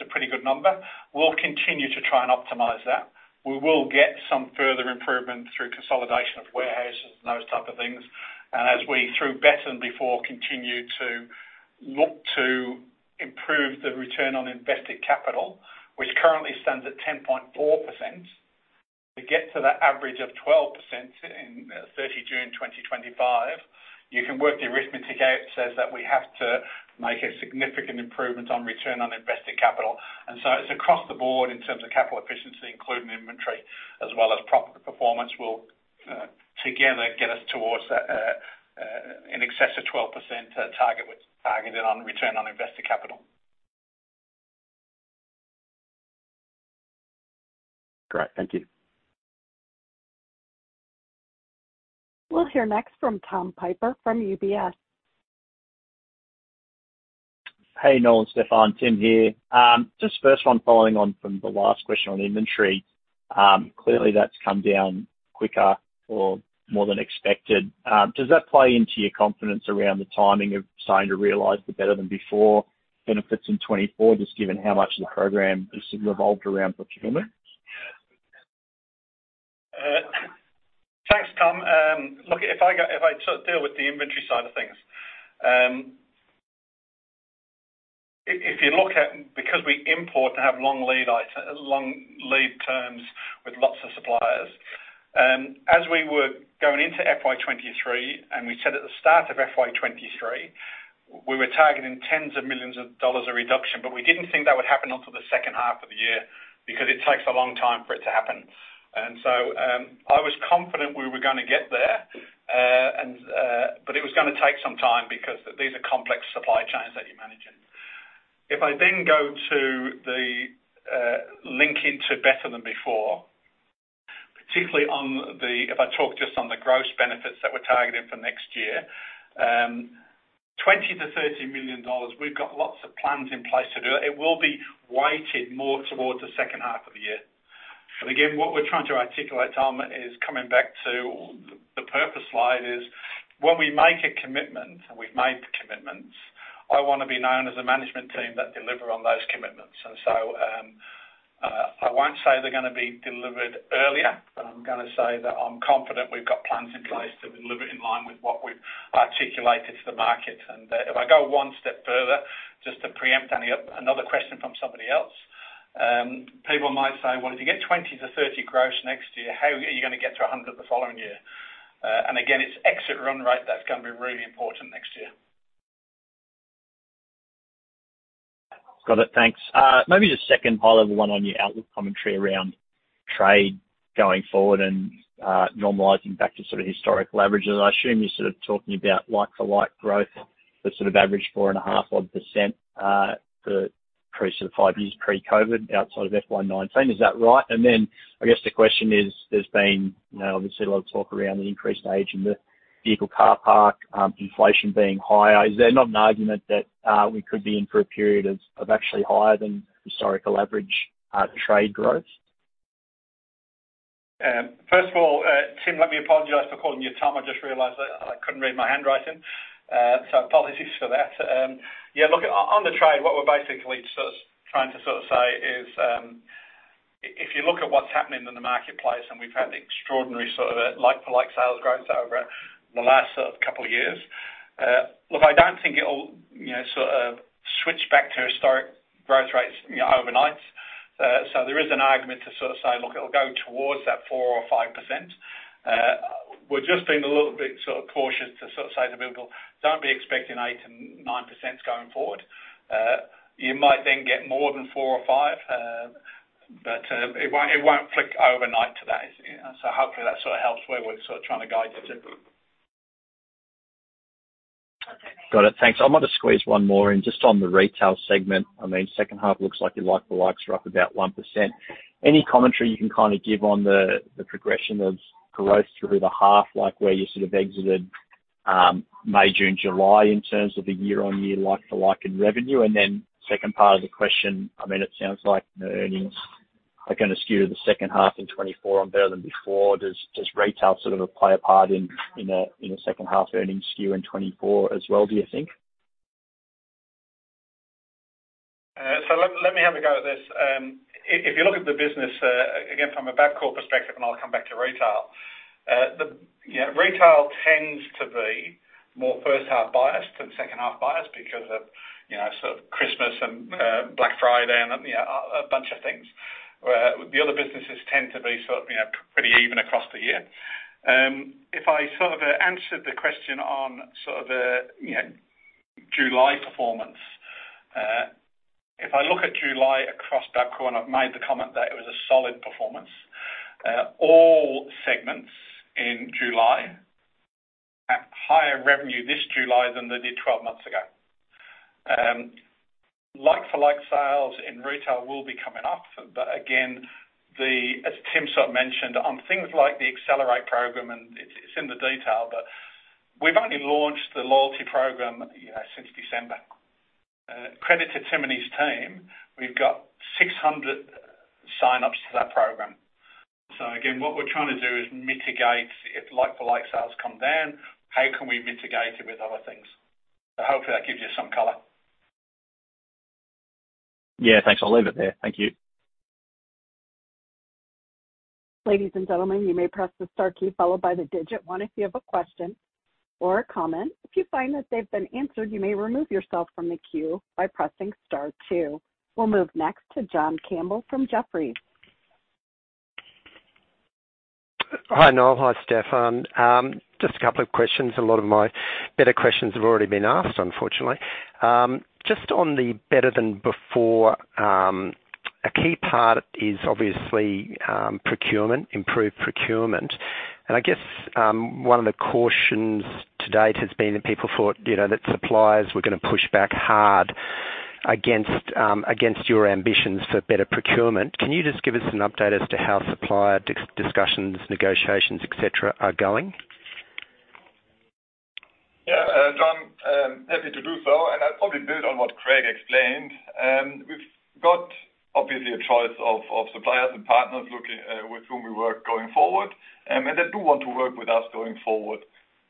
a pretty good number. We'll continue to try and optimize that. We will get some further improvement through consolidation of warehouses and those type of things. As we, through Better Than Before, continue to look to improve the return on invested capital, which currently stands at 10.4%, to get to that average of 12% in 30 June 2025, you can work the arithmetic out, says that we have to make a significant improvement on return on invested capital. It's across the board in terms of capital efficiency, including inventory, as well as proper performance, will together get us towards that in excess of 12% target, which targeted on return on invested capital. Great. Thank you. We'll hear next from Tim Piper from UBS. Hey, Noel and Stefan. Tim here. just first one, following on from the last question on inventory. clearly, that's come down quicker or more than expected. does that play into your confidence around the timing of starting to realize the Better Than Before benefits in 2024, just given how much of the program is revolved around procurement? Thanks, Tom. Look, if I sort of deal with the inventory side of things, if you look at, because we import and have long lead items, long lead terms with lots of suppliers, as we were going into FY 2023, and we said at the start of FY 2023, we were targeting tens of millions of AUD of reduction, but we didn't think that would happen until the second half of the year because it takes a long time for it to happen. So, I was confident we were gonna get there, and, but it was gonna take some time because these are complex supply chains that you're managing. If I then go to the link into Better Than Before, if I talk just on the gross benefits that we're targeting for next year, 20 million-30 million dollars, we've got lots of plans in place to do it. It will be weighted more towards the second half of the year. Again, what we're trying to articulate, Tom, is coming back to the purpose slide, is when we make a commitment, and we've made the commitments, I wanna be known as a management team that deliver on those commitments. So, I won't say they're gonna be delivered earlier, but I'm gonna say that I'm confident we've got plans in place to deliver in line with what we've articulated to the market. That if I go one step further, just to preempt any, another question from somebody else, people might say, "Well, if you get 20-30 million gross next year, how are you gonna get to 100 million the following year?" Again, it's exit run rate that's gonna be really important next year. Got it. Thanks. Maybe just second high-level one on your outlook commentary around trade going forward and normalizing back to sort of historical averages. I assume you're sort of talking about like-for-like growth, that sort of average 4.5% odd, for pre sort of five years pre-COVID, outside of FY 2019. Is that right? Then I guess the question is, there's been, you know, obviously a lot of talk around the increased age in the vehicle car park, inflation being higher. Is there not an argument that we could be in for a period of, of actually higher than historical average, trade growth? First of all, Tim, let me apologize for calling you Tom. I just realized that I couldn't read my handwriting. Apologies for that. On, on the trade, what we're trying to say is, if you look at what's happening in the marketplace, and we've had extraordinary like-for-like sales growth over the last couple of years, I don't think it'll switch back to historical-... There is an argument to say, it'll go towards that 4% or 5%. We're just being a little bit cautious to say to people, "Don't be expecting 8% and 9% going forward." You might then get more than four or five, it won't, it won't flick overnight to that. Hopefully that sort of helps where we're sort of trying to guide you to. Got it. Thanks. I might just squeeze one more in just on the retail segment. I mean, second half looks like you like the likes are up about 1%. Any commentary you can kind of give on the, the progression of growth through the half, like where you sort of exited, May, June, July, in terms of the year-on-year like-for-like in revenue? Second part of the question, I mean, it sounds like the earnings are gonna skew to the second half in 2024 on Better Than Before. Does, does retail sort of play a part in, in a, in a second half earnings skew in 2024 as well, do you think? Let me have a go at this. If you look at the business, again, from a Bapcor perspective, and I'll come back to retail, the retail tends to be more first half biased than second half biased because of Christmas and Black Friday and a bunch of things. Where the other businesses tend to be pretty even across the year. If I answered the question on July performance, if I look at July across Bapcor, and I've made the comment that it was a solid performance, all segments in July had higher revenue this July than they did 12 months ago. Like-for-like sales in retail will be coming up, but again, the... As Tim sort of mentioned, on things like the Accelerate program, and it's, it's in the detail, but we've only launched the loyalty program, you know, since December. Credit to Tim and his team, we've got 600 sign-ups to that program. Again, what we're trying to do is mitigate if like-for-like sales come down, how can we mitigate it with other things? Hopefully that gives you some color. Yeah, thanks. I'll leave it there. Thank you. Ladies and gentlemen, you may press the star key followed by the digit one if you have a question or a comment. If you find that they've been answered, you may remove yourself from the queue by pressing star two. We'll move next to John Campbell from Jefferies. Hi, Noel. Hi, Stefan. Just a couple of questions. A lot of my better questions have already been asked, unfortunately. Just on the Better Than Before, a key part is obviously procurement, improved procurement. I guess, one of the cautions to date has been that people thought, you know, that suppliers were gonna push back hard against your ambitions for better procurement. Can you just give us an update as to how supplier discussions, negotiations, et cetera, are going? Yeah, John, I'm happy to do so, and I'll probably build on what Craig explained. We've got obviously a choice of, of suppliers and partners looking, with whom we work going forward, and they do want to work with us going forward.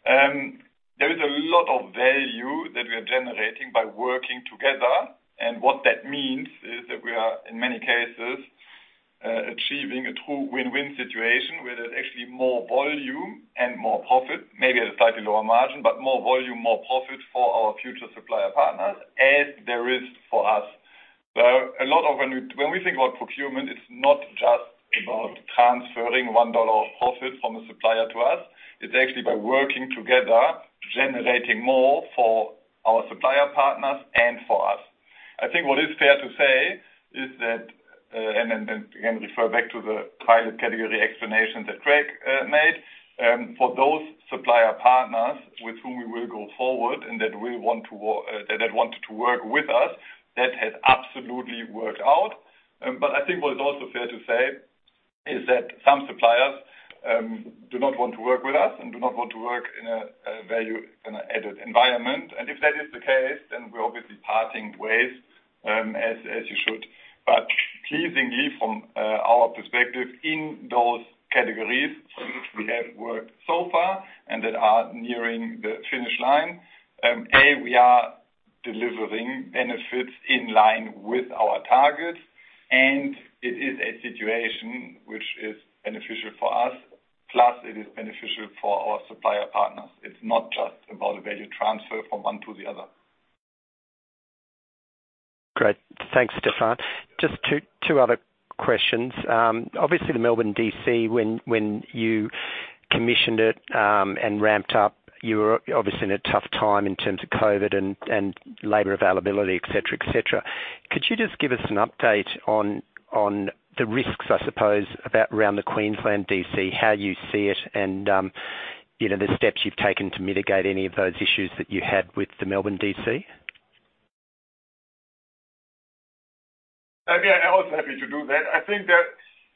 There is a lot of value that we are generating by working together, and what that means is that we are, in many cases, achieving a true win-win situation, where there's actually more volume and more profit, maybe at a slightly lower margin, but more volume, more profit for our future supplier partners, as there is for us. A lot of when we think about procurement, it's not just about transferring $1 of profit from a supplier to us. It's actually by working together, generating more for our supplier partners and for us. I think what is fair to say is that, and then, then again, refer back to the private category explanation that Craig made, for those supplier partners with whom we will go forward and that we want to work with us, that has absolutely worked out. I think what is also fair to say is that some suppliers do not want to work with us and do not want to work in a value-added environment. If that is the case, then we're obviously parting ways, as, as you should. Pleasingly, from, our perspective, in those categories, which we have worked so far and that are nearing the finish line, A, we are delivering benefits in line with our targets, and it is a situation which is beneficial for us, plus it is beneficial for our supplier partners. It's not just about a value transfer from one to the other. Great. Thanks, Stefan. Just two, two other questions. Obviously, the Melbourne DC, when, when you commissioned it, and ramped up, you were obviously in a tough time in terms of COVID and, and labor availability, et cetera, et cetera. Could you just give us an update on, on the risks, I suppose, about around the Queensland DC, how you see it and, you know, the steps you've taken to mitigate any of those issues that you had with the Melbourne DC? I'd be also happy to do that. I think that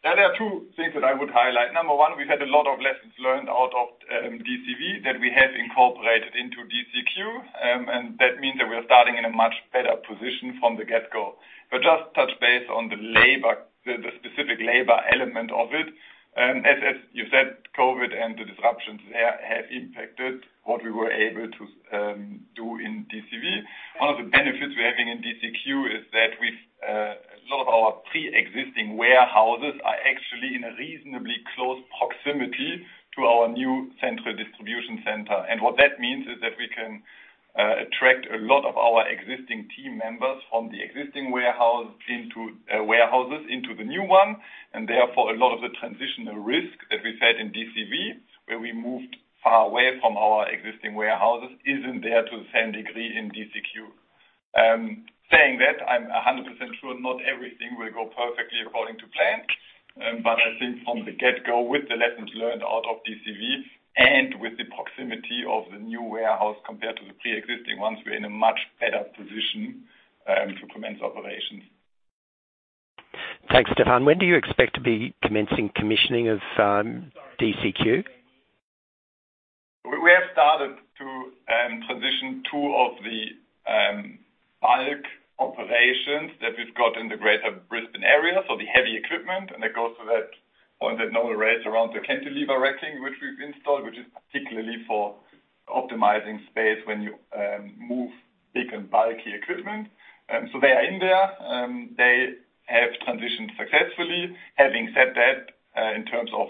there are two things that I would highlight. Number one, we've had a lot of lessons learned out of DCV that we have incorporated into DCQ, that means that we are starting in a much better position from the get-go. Just touch base on the labor, the specific labor element of it, as you said, COVID and the disruptions have impacted what we were able to do in DCV. One of the benefits we're having in DCQ is that we've a lot of our pre-existing warehouses are actually in a reasonably close proximity to our new central distribution center. What that means is that we. Attract a lot of our existing team members from the existing warehouse into warehouses into the new one, and therefore, a lot of the transitional risk that we've had in DCV, where we moved far away from our existing warehouses, isn't there to the same degree in DCQ. Saying that, I'm 100% sure not everything will go perfectly according to plan, but I think from the get-go, with the lessons learned out of DCV and with the proximity of the new warehouse compared to the pre-existing ones, we're in a much better position to commence operations. Thanks, Stefan. When do you expect to be commencing commissioning of DCQ? We, we have started to transition two of the bulk operations that we've got in the greater Brisbane area, so the heavy equipment, that goes to that point that Noel raised around the cantilever racking, which we've installed, which is particularly for optimizing space when you move big and bulky equipment. They are in there. They have transitioned successfully. Having said that, in terms of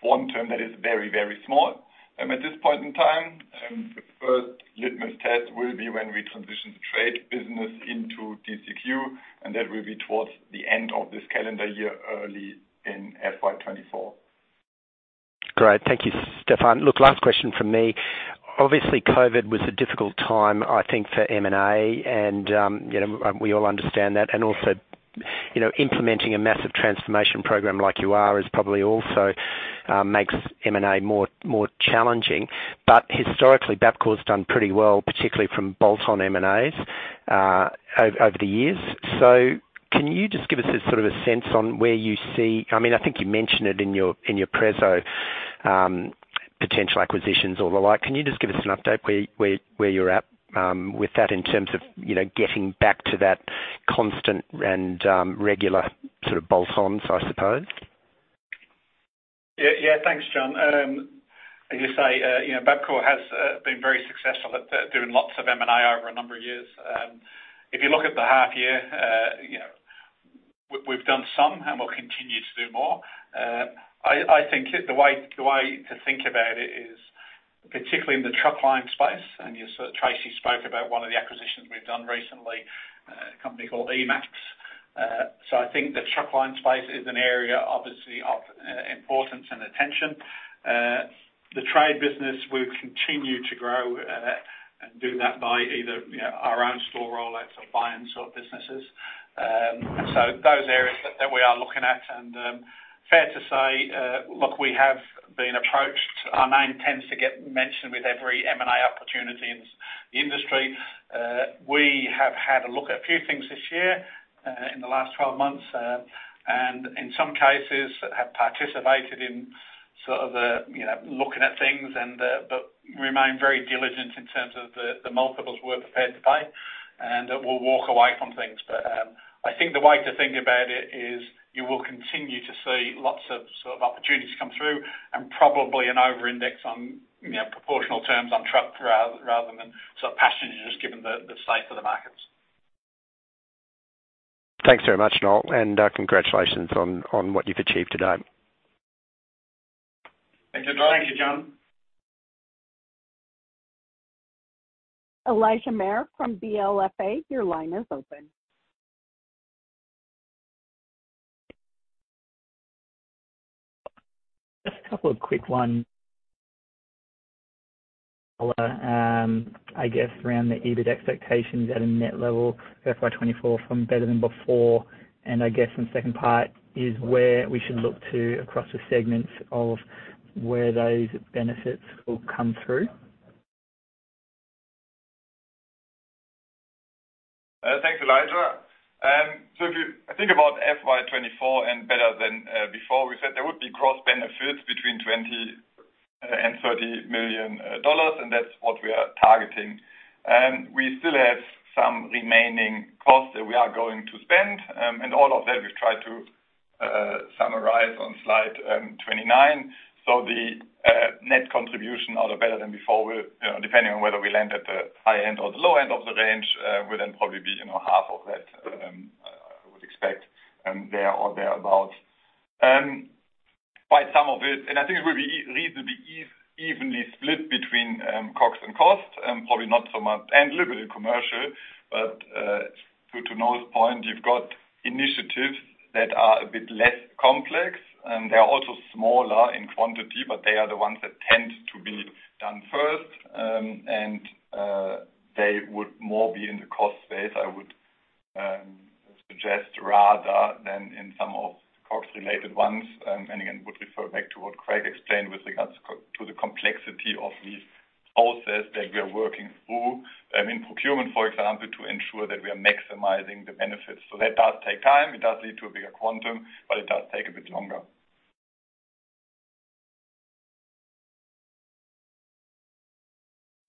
quantum, that is very, very small. At this point in time, the first litmus test will be when we transition the trade business into DCQ, that will be towards the end of this calendar year, early in FY 2024. Great. Thank you, Stefan. Look, last question from me. Obviously, COVID was a difficult time, I think, for M&A, and, you know, we all understand that. Also, you know, implementing a massive transformation program like you are is probably also makes M&A more, more challenging. Historically, Bapcor's done pretty well, particularly from bolt-on M&As, over, over the years. Can you just give us a sort of a sense on where you see-- I mean, I think you mentioned it in your, in your preso, potential acquisitions or the like. Can you just give us an update where, where, where you're at with that in terms of, you know, getting back to that constant and regular sort of bolt-ons, I suppose? Yeah, yeah, thanks, John. As you say, you know, Bapcor has been very successful at doing lots of M&A over a number of years. If you look at the half year, you know, we've done some and we'll continue to do more. I, I think the way, the way to think about it is, particularly in the Truckline space, and you saw Tracey spoke about one of the acquisitions we've done recently, a company called E-Max. I think the Truckline space is an area obviously of importance and attention. The trade business, we've continued to grow, and do that by either, you know, our own store rollouts or buy and sort businesses. Those areas that, that we are looking at and, fair to say, look, we have been approached. Our name tends to get mentioned with every M&A opportunity in the industry. We have had a look at a few things this year, in the last 12 months, and in some cases have participated in sort of the, you know, looking at things and, but remain very diligent in terms of the, the multiples we're prepared to pay, and we'll walk away from things. I think the way to think about it is you will continue to see lots of sort of opportunities come through and probably an overindex on, you know, proportional terms on truck rather than sort of passenger, just given the, the state of the markets. Thanks very much, Noel, and congratulations on what you've achieved to date. Thanks, John. Thank you, John. Elijah Mayr from BLFA, your line is open. Just a couple of quick one. I guess around the EBIT expectations at a net level, FY 2024 from Better Than Before, and I guess some second part is where we should look to across the segments of where those benefits will come through? Thanks, Elijah. So if you, I think about FY 2024 and Better Than Before, we said there would be cross-benefit between 20 million and 30 million dollars, and that's what we are targeting. We still have some remaining costs that we are going to spend, and all of that we've tried to summarize on slide 29. The net contribution or the Better Than Before will, you know, depending on whether we land at the high end or the low end of the range, will then probably be, you know, half of that, I would expect, there or thereabout. By some of it, and I think it will be reasonably evenly split between COGS and costs, probably not so much, and a little bit of commercial. To, to Noel's point, you've got initiatives that are a bit less complex, and they are also smaller in quantity, but they are the ones that tend to be done first, and, they would more be in the cost space, I would, suggest, rather than in some of COGS-related ones. Again, would refer back to what Craig explained with regards to, to the complexity of these processes that we are working through, in procurement, for example, to ensure that we are maximizing the benefits. That does take time. It does lead to a bigger quantum, but it does take a bit longer.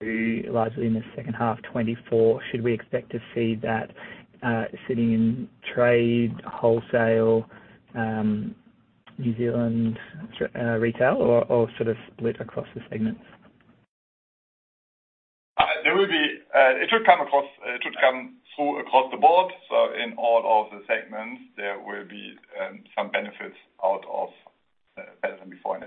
Largely in the second half 2024, should we expect to see that, sitting in Trade, Specialist Wholesale, New Zealand, Retail or, or sort of split across the segments? There will be, it should come across, it should come through across the board. In all of the segments, there will be some benefits out of-... before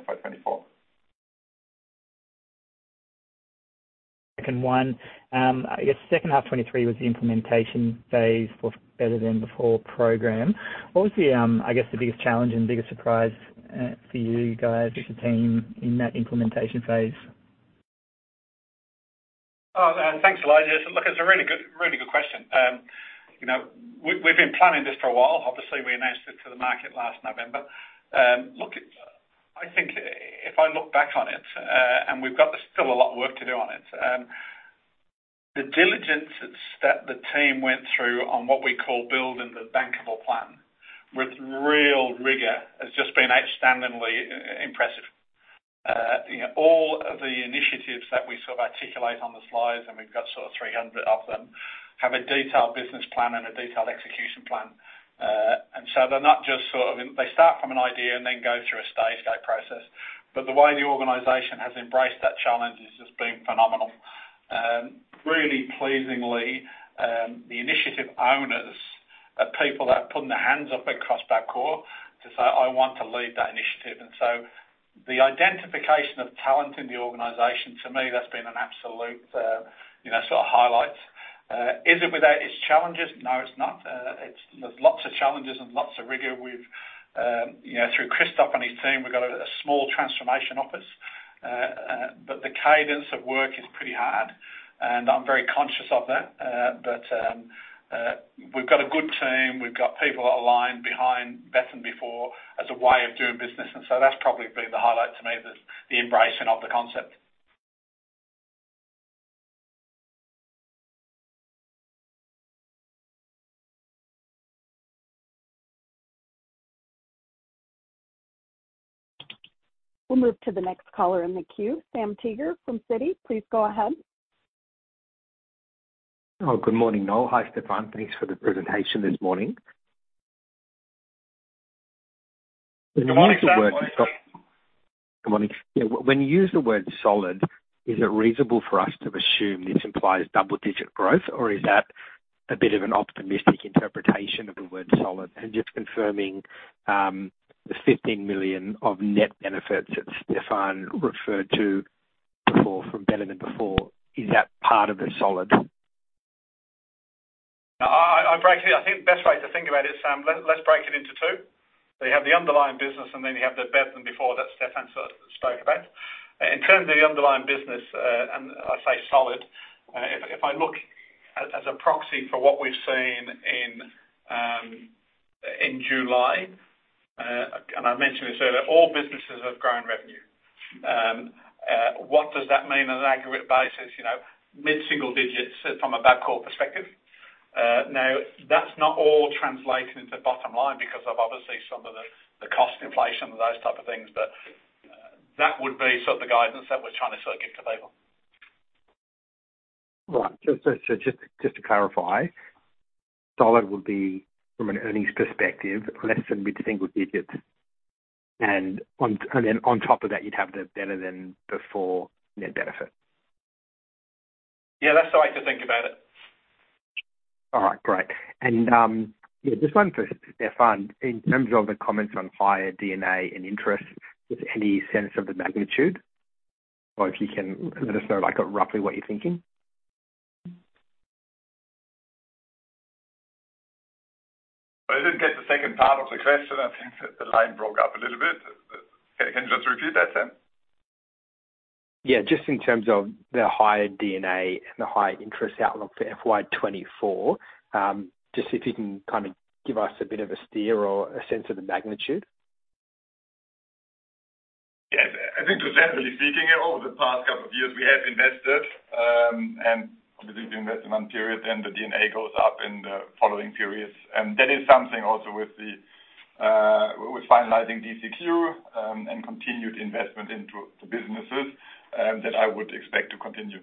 in FY 2024. One, I guess second half 2023 was the implementation phase for Better Than Before program. What was the, I guess, the biggest challenge and biggest surprise for you guys as a team in that implementation phase? Oh, thanks, Elijah. Look, it's a really good, really good question. You know, we, we've been planning this for a while. Obviously, we announced it to the market last November. Look, I think if I look back on it, and we've got still a lot of work to do on it, the diligence that, that the team went through on what we call building the bankable plan with real rigor, has just been outstandingly impressive. You know, all of the initiatives that we sort of articulate on the slides, and we've got sort of 300 of them, have a detailed business plan and a detailed execution plan. They're not just sort of. They start from an idea and then go through a stage gate process. The way the organization has embraced that challenge has just been phenomenal. Really pleasingly, the initiative owners are people that are putting their hands up across Bapcor to say, "I want to lead that initiative." The identification of talent in the organization, to me, that's been an absolute, you know, sort of highlight. Is it without its challenges? No, it's not. There's lots of challenges and lots of rigor. We've, you know, through Christophe and his team, we've got a small transformation office. The cadence of work is pretty hard, and I'm very conscious of that. We've got a good team. We've got people that are aligned behind Better Than Before as a way of doing business. That's probably been the highlight to me, the embracing of the concept. We'll move to the next caller in the queue, Sam Teeger from Citi. Please go ahead. Oh, good morning, Noel. Hi, Stefan. Thanks for the presentation this morning. Good morning, Sam. Good morning. Yeah, when you use the word solid, is it reasonable for us to assume this implies double-digit growth, or is that a bit of an optimistic interpretation of the word solid? Just confirming, the 15 million of net benefits that Stefan referred to before from Better Than Before, is that part of the solid? I, I break it. I think the best way to think about it, Sam, let's, let's break it into two. You have the underlying business, and then you have the Better Than Before that Stefan spoke about. In terms of the underlying business, and I say solid, if, if I look as, as a proxy for what we've seen in July, and I mentioned this earlier, all businesses have grown revenue. What does that mean on an aggregate basis? You know, mid-single digits from a Bapcor perspective. Now, that's not all translating into the bottom line because of, obviously, some of the, the cost inflation and those type of things, but that would be sort of the guidance that we're trying to sort of give to people. Right. Just to clarify, solid would be, from an earnings perspective, less than mid-single digits, and on, and then on top of that, you'd have the Better Than Before net benefit. Yeah, that's the way to think about it. All right, great. Just one for Stefan. In terms of the comments on higher D&A and interest, is there any sense of the magnitude, or if you can let us know, roughly what you're thinking? I didn't get the second part of the question. I think that the line broke up a little bit. Can you just repeat that, Sam? Yeah, just in terms of the higher D&A and the higher interest outlook for FY 2024, just if you can kind of give us a bit of a steer or a sense of the magnitude? Yeah, I think generally speaking, over the past two years, we have invested, and obviously the investment period, then the D&A goes up in the following periods. That is something also with the, with finalizing DCQ, and continued investment into the businesses, that I would expect to continue.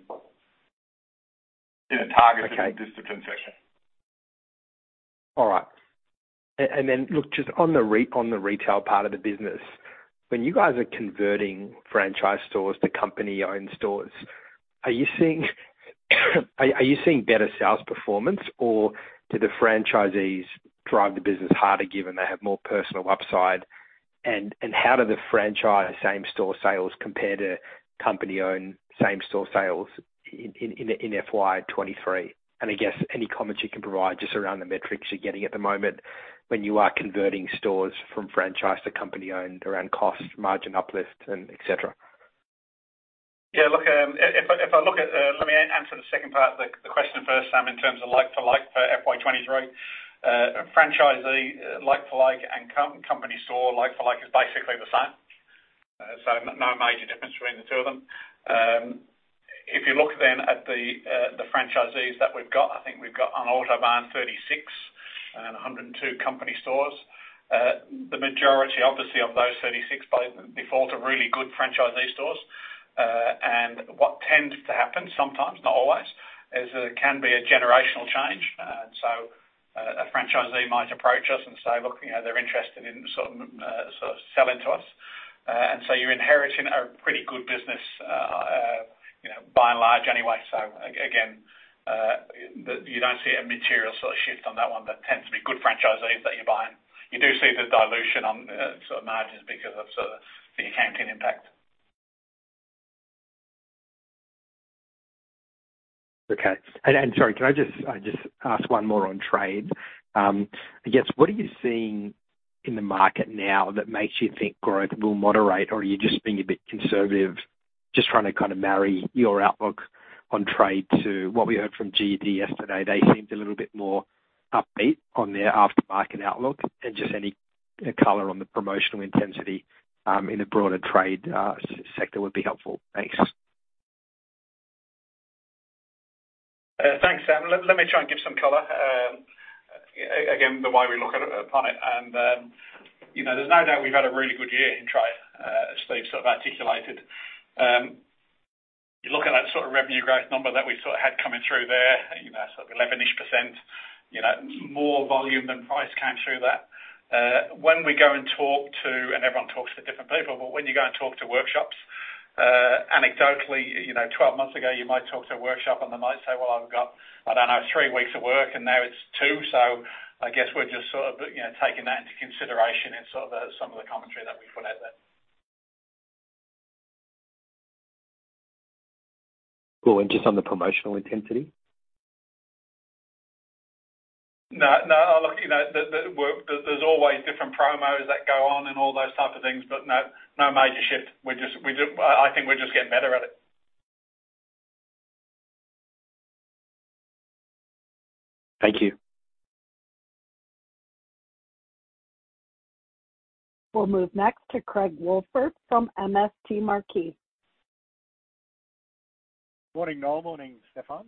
In a targeted- Okay. Discipline session. All right. Then look, just on the retail part of the business, when you guys are converting franchise stores to company-owned stores, are you seeing better sales performance, or do the franchisees drive the business harder, given they have more personal upside? How do the franchise same-store sales compare to company-owned same-store sales in FY 2023? I guess any comments you can provide just around the metrics you're getting at the moment when you are converting stores from franchise to company-owned around cost, margin uplifts, and et cetera. Yeah, look, if I, if I look at, Let me answer the second part of the question first, Sam, in terms of like-for-like for FY 2023. Franchisee like-for-like and company store like-for-like is basically the same. No major difference between the two of them. If you look at the franchisees that we've got, I think we've got on Autobarn, 36 and 102 company stores. The majority, obviously, of those 36 by default, are really good franchisee stores. What tends to happen sometimes, not always, is there can be a generational change. A franchisee might approach us and say, "Look, you know, they're interested in sort of, sort of selling to us." You're inheriting a pretty good business by and large anyway. Again, you don't see a material sort of shift on that one, but tends to be good franchisees that you're buying. You do see the dilution on, sort of margins because of sort of the accounting impact. Okay. And sorry, can I just, I just ask one more on trade? I guess, what are you seeing in the market now that makes you think growth will moderate? Are you just being a bit conservative, just trying to kind of marry your outlook on trade to what we heard from GUD yesterday? They seemed a little bit more upbeat on their aftermarket outlook, and just any color on the promotional intensity, in the broader trade sector would be helpful. Thanks. Thanks, Sam. Let me try and give some color. Again, the way we look at it, upon it, and, you know, there's no doubt we've had a really good year in trade, as Steve articulated. You look at that revenue growth number that we had coming through there, you know, 11-ish percent, you know, more volume than price came through that. When we go and talk to-- and everyone talks to different people, but when you go and talk to workshops, anecdotally, you know, 12 months ago, you might talk to a workshop and they might say, "Well, I've got, I don't know, three weeks of work," and now it's two. I guess we're just sort of, you know, taking that into consideration in sort of the, some of the commentary that we put out there. Cool, just on the promotional intensity? No, no, look, you know, the, the, there's always different promos that go on and all those type of things, but no, no major shift. We're just, we just, I, I think we're just getting better at it. Thank you. We'll move next to Craig Wolford from MST Marquee. Morning, Noel. Morning, Stefan.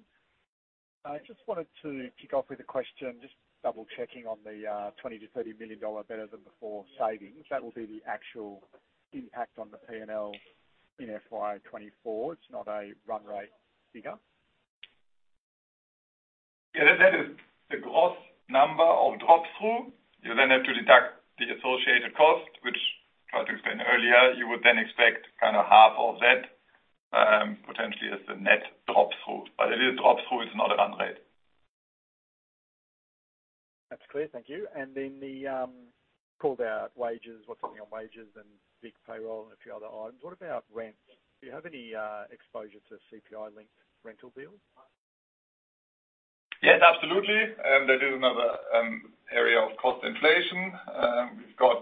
I just wanted to kick off with a question, just double checking on the 20 million-30 million dollar Better Than Before savings. That will be the actual impact on the P&L in FY 2024. It's not a run rate figure? Yeah, that, that is the gross number of drop through. You have to deduct the associated cost, which tried to explain earlier. You would expect kind of half of that, potentially as the net drop through, but it is a drop through, it's not a run rate. That's clear. Thank you. Then the called out wages, what's on your wages and big payroll and a few other items? What about rent? Do you have any exposure to CPI-linked rental bills? Yes, absolutely. That is another area of cost inflation. We've got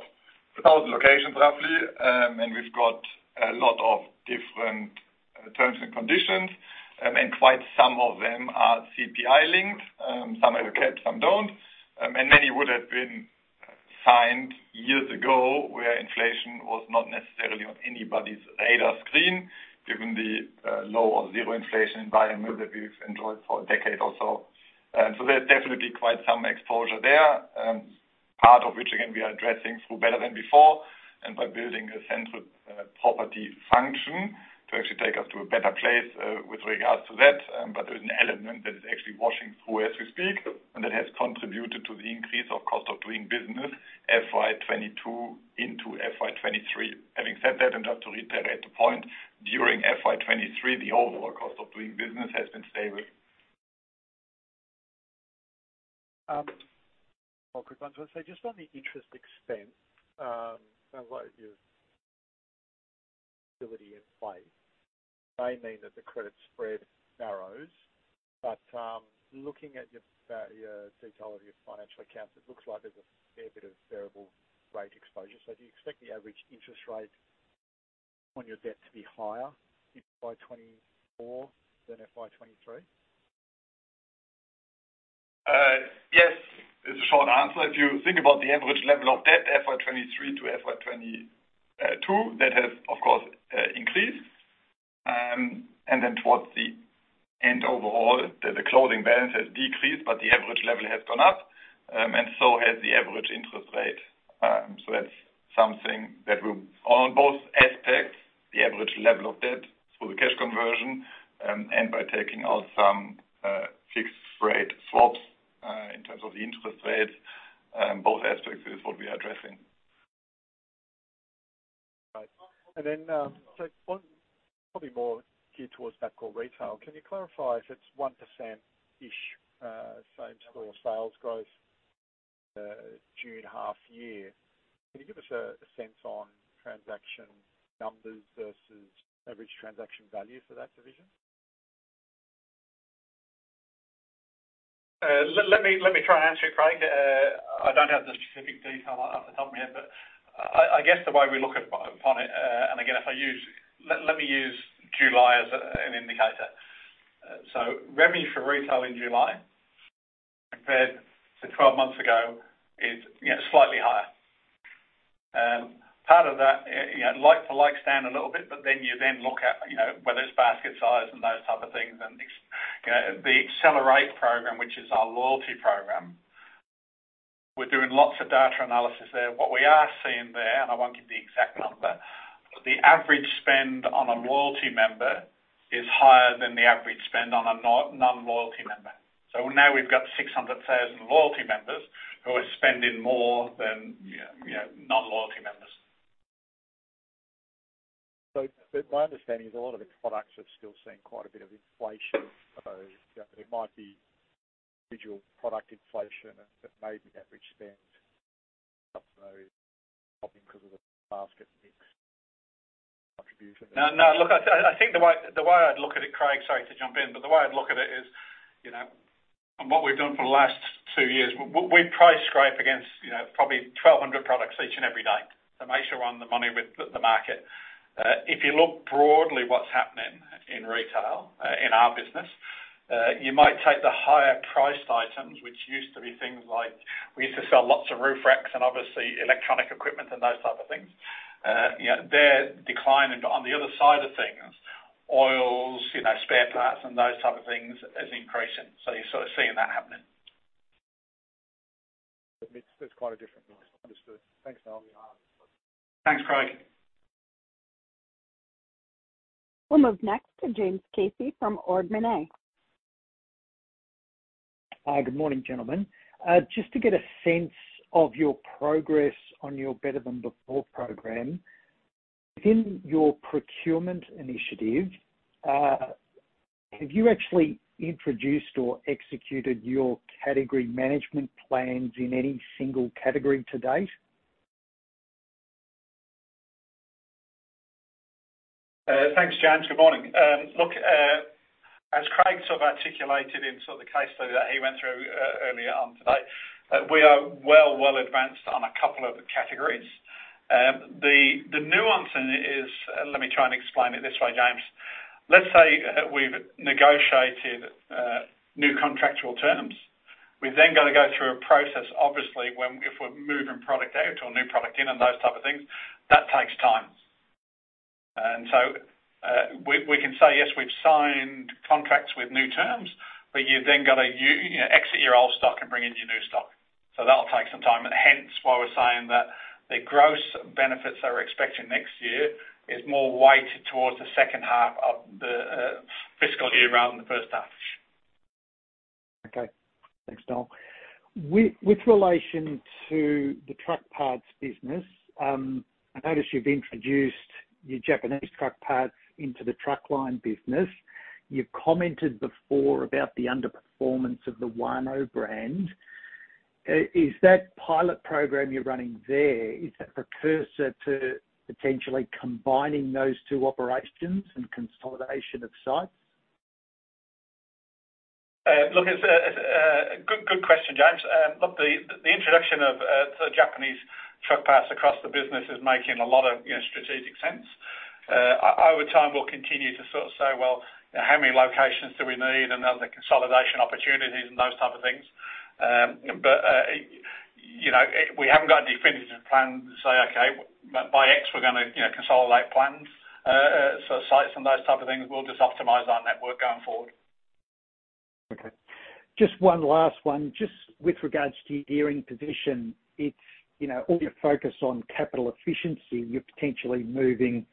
1,000 locations, roughly, and we've got a lot of different terms and conditions, and quite some of them are CPI-linked. Some have a cap, some don't. Many would have been signed years ago, where inflation was not necessarily on anybody's radar screen, given the low or zero inflation environment that we've enjoyed for a decade or so. So there's definitely quite some exposure there, part of which, again, we are addressing through Better Than Before and by building a central property function to actually take us to a better place with regards to that. There's an element that is actually washing through as we speak, and that has contributed to the increase of cost of doing business, FY 2022 into FY 2023. Having said that, and just to reiterate the point, during FY 2023, the overall cost of doing business has been stable. Well, quick one. Just on the interest expense, sounds like you've in play may mean that the credit spread narrows, but, looking at your detail of your financial accounts, it looks like there's a fair bit of variable rate exposure. Do you expect the average interest rate on your debt to be higher in FY 2024 than FY 2023? Yes, is the short answer. If you think about the average level of debt, FY 2023 to FY 2022, that has, of course, increased. Then towards the end, overall, the closing balance has decreased, but the average level has gone up, so has the average interest rate. So that's something that we're on both aspects, the average level of debt through the cash conversion, by taking out some fixed rate swaps, in terms of the interest rates, both aspects is what we are addressing. Right. Then, so one probably more geared towards that core retail. Can you clarify if it's 1%-ish, same store sales growth, June half year? Can you give us a sense on transaction numbers versus average transaction value for that division? Let me, let me try and answer it, Craig. I don't have the specific detail off the top of my head, but I guess the way we look at upon it. Again, if I use. Let me use July as an indicator. So revenue for retail in July compared to 12 months ago is, you know, slightly higher. Part of that, you know, like for like, down a little bit, but then you then look at, you know, whether it's basket size and those type of things, and it's, you know, the Accelerate program, which is our loyalty program. We're doing lots of data analysis there. What we are seeing there, and I won't give the exact number, but the average spend on a loyalty member is higher than the average spend on a non-loyalty member. Now we've got 600,000 loyalty members who are spending more than- My understanding is a lot of the products are still seeing quite a bit of inflation. There might be individual product inflation that may be average spend up, though, probably because of the basket mix contribution. No, no. Look, I think the way I'd look at it, Craig, sorry to jump in, but the way I'd look at it is, you know, and what we've done for the last two years, we price scrape against, you know, probably 1,200 products each and every day to make sure we're on the money with the market. If you look broadly what's happening in retail, in our business, you might take the higher priced items, which used to be things like we used to sell lots of roof racks and obviously electronic equipment and those type of things. You know, they're declining. On the other side of things, oils, you know, spare parts, and those type of things is increasing. You're sort of seeing that happening. It's, it's quite a different mix. Understood. Thanks, Noel. Thanks, Craig. We'll move next to James Casey from Ord Minnett. Hi, good morning, gentlemen. just to get a sense of your progress on your Better Than Before program, within your procurement initiative, have you actually introduced or executed your category management plans in any single category to date? Thanks, James. Good morning. Look, as Craig sort of articulated in sort of the case study that he went through earlier on today, we are well, well advanced on a couple of the categories. The nuance in it is. Let me try and explain it this way, James. Let's say we've negotiated new contractual terms. We've then got to go through a process, obviously, if we're moving product out or new product in and those type of things, that takes time. We, we can say, yes, we've signed contracts with new terms, but you've then got to you know, exit your old stock and bring in your new stock. That'll take some time, and hence why we're saying that the gross benefits that we're expecting next year is more weighted towards the second half of the fiscal year rather than the first half. Okay. Thanks, Noel. With, with relation to the truck parts business, I notice you've introduced your Japanese truck parts into the Truckline business. You've commented before about the underperformance of the WANO brand. Is that pilot program you're running there, is that precursor to potentially combining those two operations and consolidation of sites? Look, it's a good, good question, James. Look, the introduction of the Japanese truck parts across the business is making a lot of, you know, strategic sense. Over time, we'll continue to sort of say, "Well, how many locations do we need? And are there consolidation opportunities?" And those type of things. You know, we haven't got a definitive plan to say, "Okay, by X, we're gonna, you know, consolidate plans, so sites and those type of things." We'll just optimize our network going forward. Okay. Just one last one. Just with regards to your gearing position, it's, you know, all your focus on capital efficiency, you're potentially moving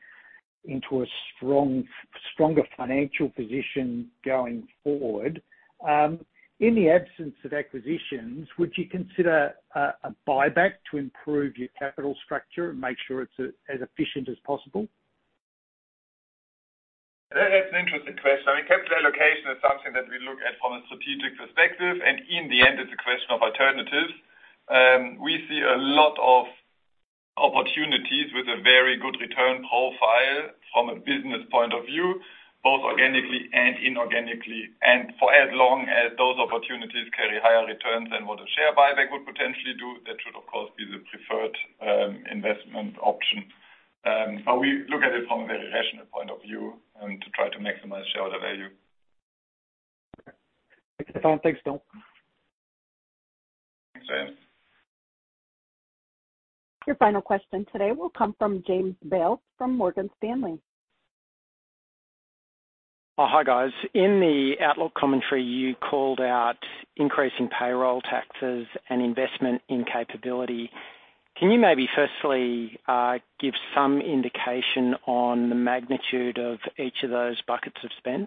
into a strong, stronger financial position going forward. In the absence of acquisitions, would you consider a buyback to improve your capital structure and make sure it's as efficient as possible? That's an interesting question. I mean, capital allocation is something that we look at from a strategic perspective, and in the end, it's a question of alternatives. We see a lot of opportunities with a very good return profile from a business point of view, both organically and inorganically. For as long as those opportunities carry higher returns than what a share buyback would potentially do, that should, of course, be the preferred investment option. We look at it from a very rational point of view and to try to maximize shareholder value. Okay. Thanks, Noel. Thanks, Noel. Thanks, James. Your final question today will come from James Bales from Morgan Stanley. Oh, hi, guys. In the outlook commentary, you called out increasing payroll taxes and investment in capability. Can you maybe firstly, give some indication on the magnitude of each of those buckets of spend?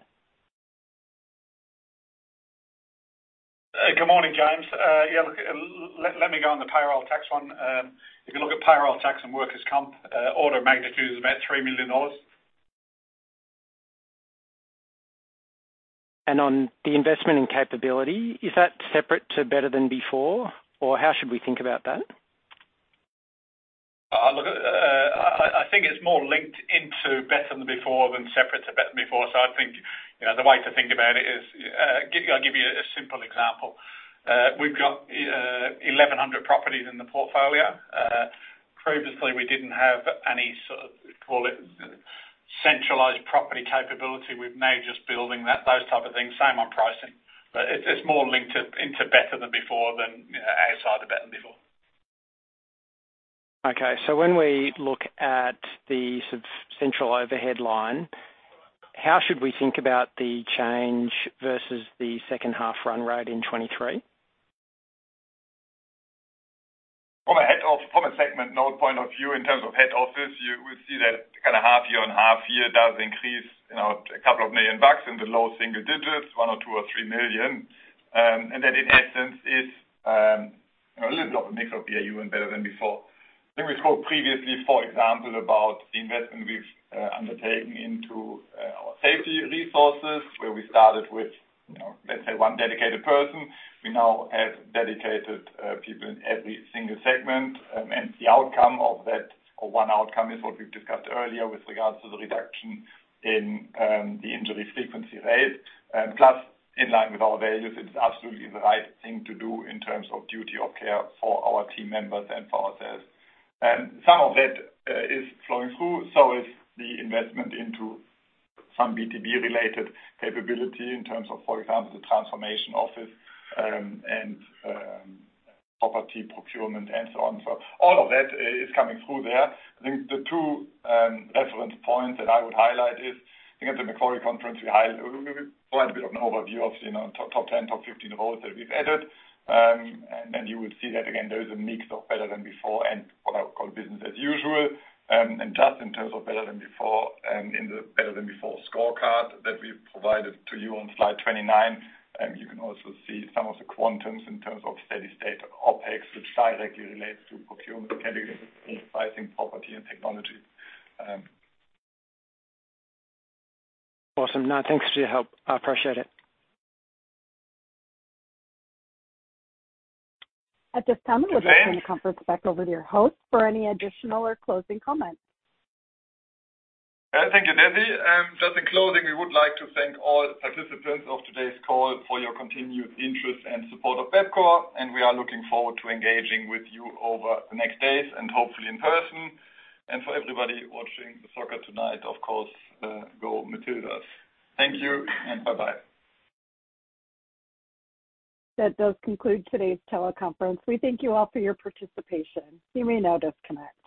Good morning, James. Yeah, look, let me go on the payroll tax one. If you look at payroll tax and workers' comp, order magnitude is about 3 million dollars. On the investment and capability, is that separate to Better Than Before, or how should we think about that? I, I think it's more linked into Better Than Before than separate to Better Than Before. I think, you know, the way to think about it is, I'll give you a simple example. We've got 1,100 properties in the portfolio. Previously, we didn't have any sort of, call it, centralized property capability. We're now just building that, those type of things, same on pricing. It's, it's more linked to, into Better Than Before than outside of Better Than Before. Okay. When we look at the sort of central overhead line, how should we think about the change versus the second half run rate in 2023? From a segment node point of view, in terms of head office, you will see that kind of half year and half year does increase, you know, a couple of million bucks in the low single digits, one or two or 3 million. That in essence is-... A little bit of a mix of BAU and Better Than Before. I think we spoke previously, for example, about the investment we've undertaken into our safety resources, where we started with, you know, let's say one dedicated person. We now have dedicated people in every single segment. The outcome of that, or one outcome, is what we've discussed earlier with regards to the reduction in the injury frequency rate. Plus, in line with our values, it's absolutely the right thing to do in terms of duty of care for our team members and for ourselves. Some of that is flowing through, so is the investment into some B2B-related capability in terms of, for example, the transformation office, and property procurement and so on. All of that is coming through there. I think the two relevant points that I would highlight is, I think at the Macquarie Conference, we highlight quite a bit of an overview of top 10, top 15 roles that we've added. You will see that again, there is a mix of Better Than Before and what I would call business as usual. Just in terms of Better Than Before, in the Better Than Before scorecard that we provided to you on slide 29, you can also see some of the quantums in terms of steady state OpEx, which directly relates to procurement, category, pricing, property, and technology. Awesome. No, thanks for your help. I appreciate it. At this time, we'll just turn the conference back over to your host for any additional or closing comments. Thank you, Desi. Just in closing, we would like to thank all participants of today's call for your continued interest and support of Bapcor. We are looking forward to engaging with you over the next days and hopefully in person. For everybody watching the soccer tonight, of course, go Matildas. Thank you, and bye-bye. That does conclude today's teleconference. We thank you all for your participation. You may now disconnect.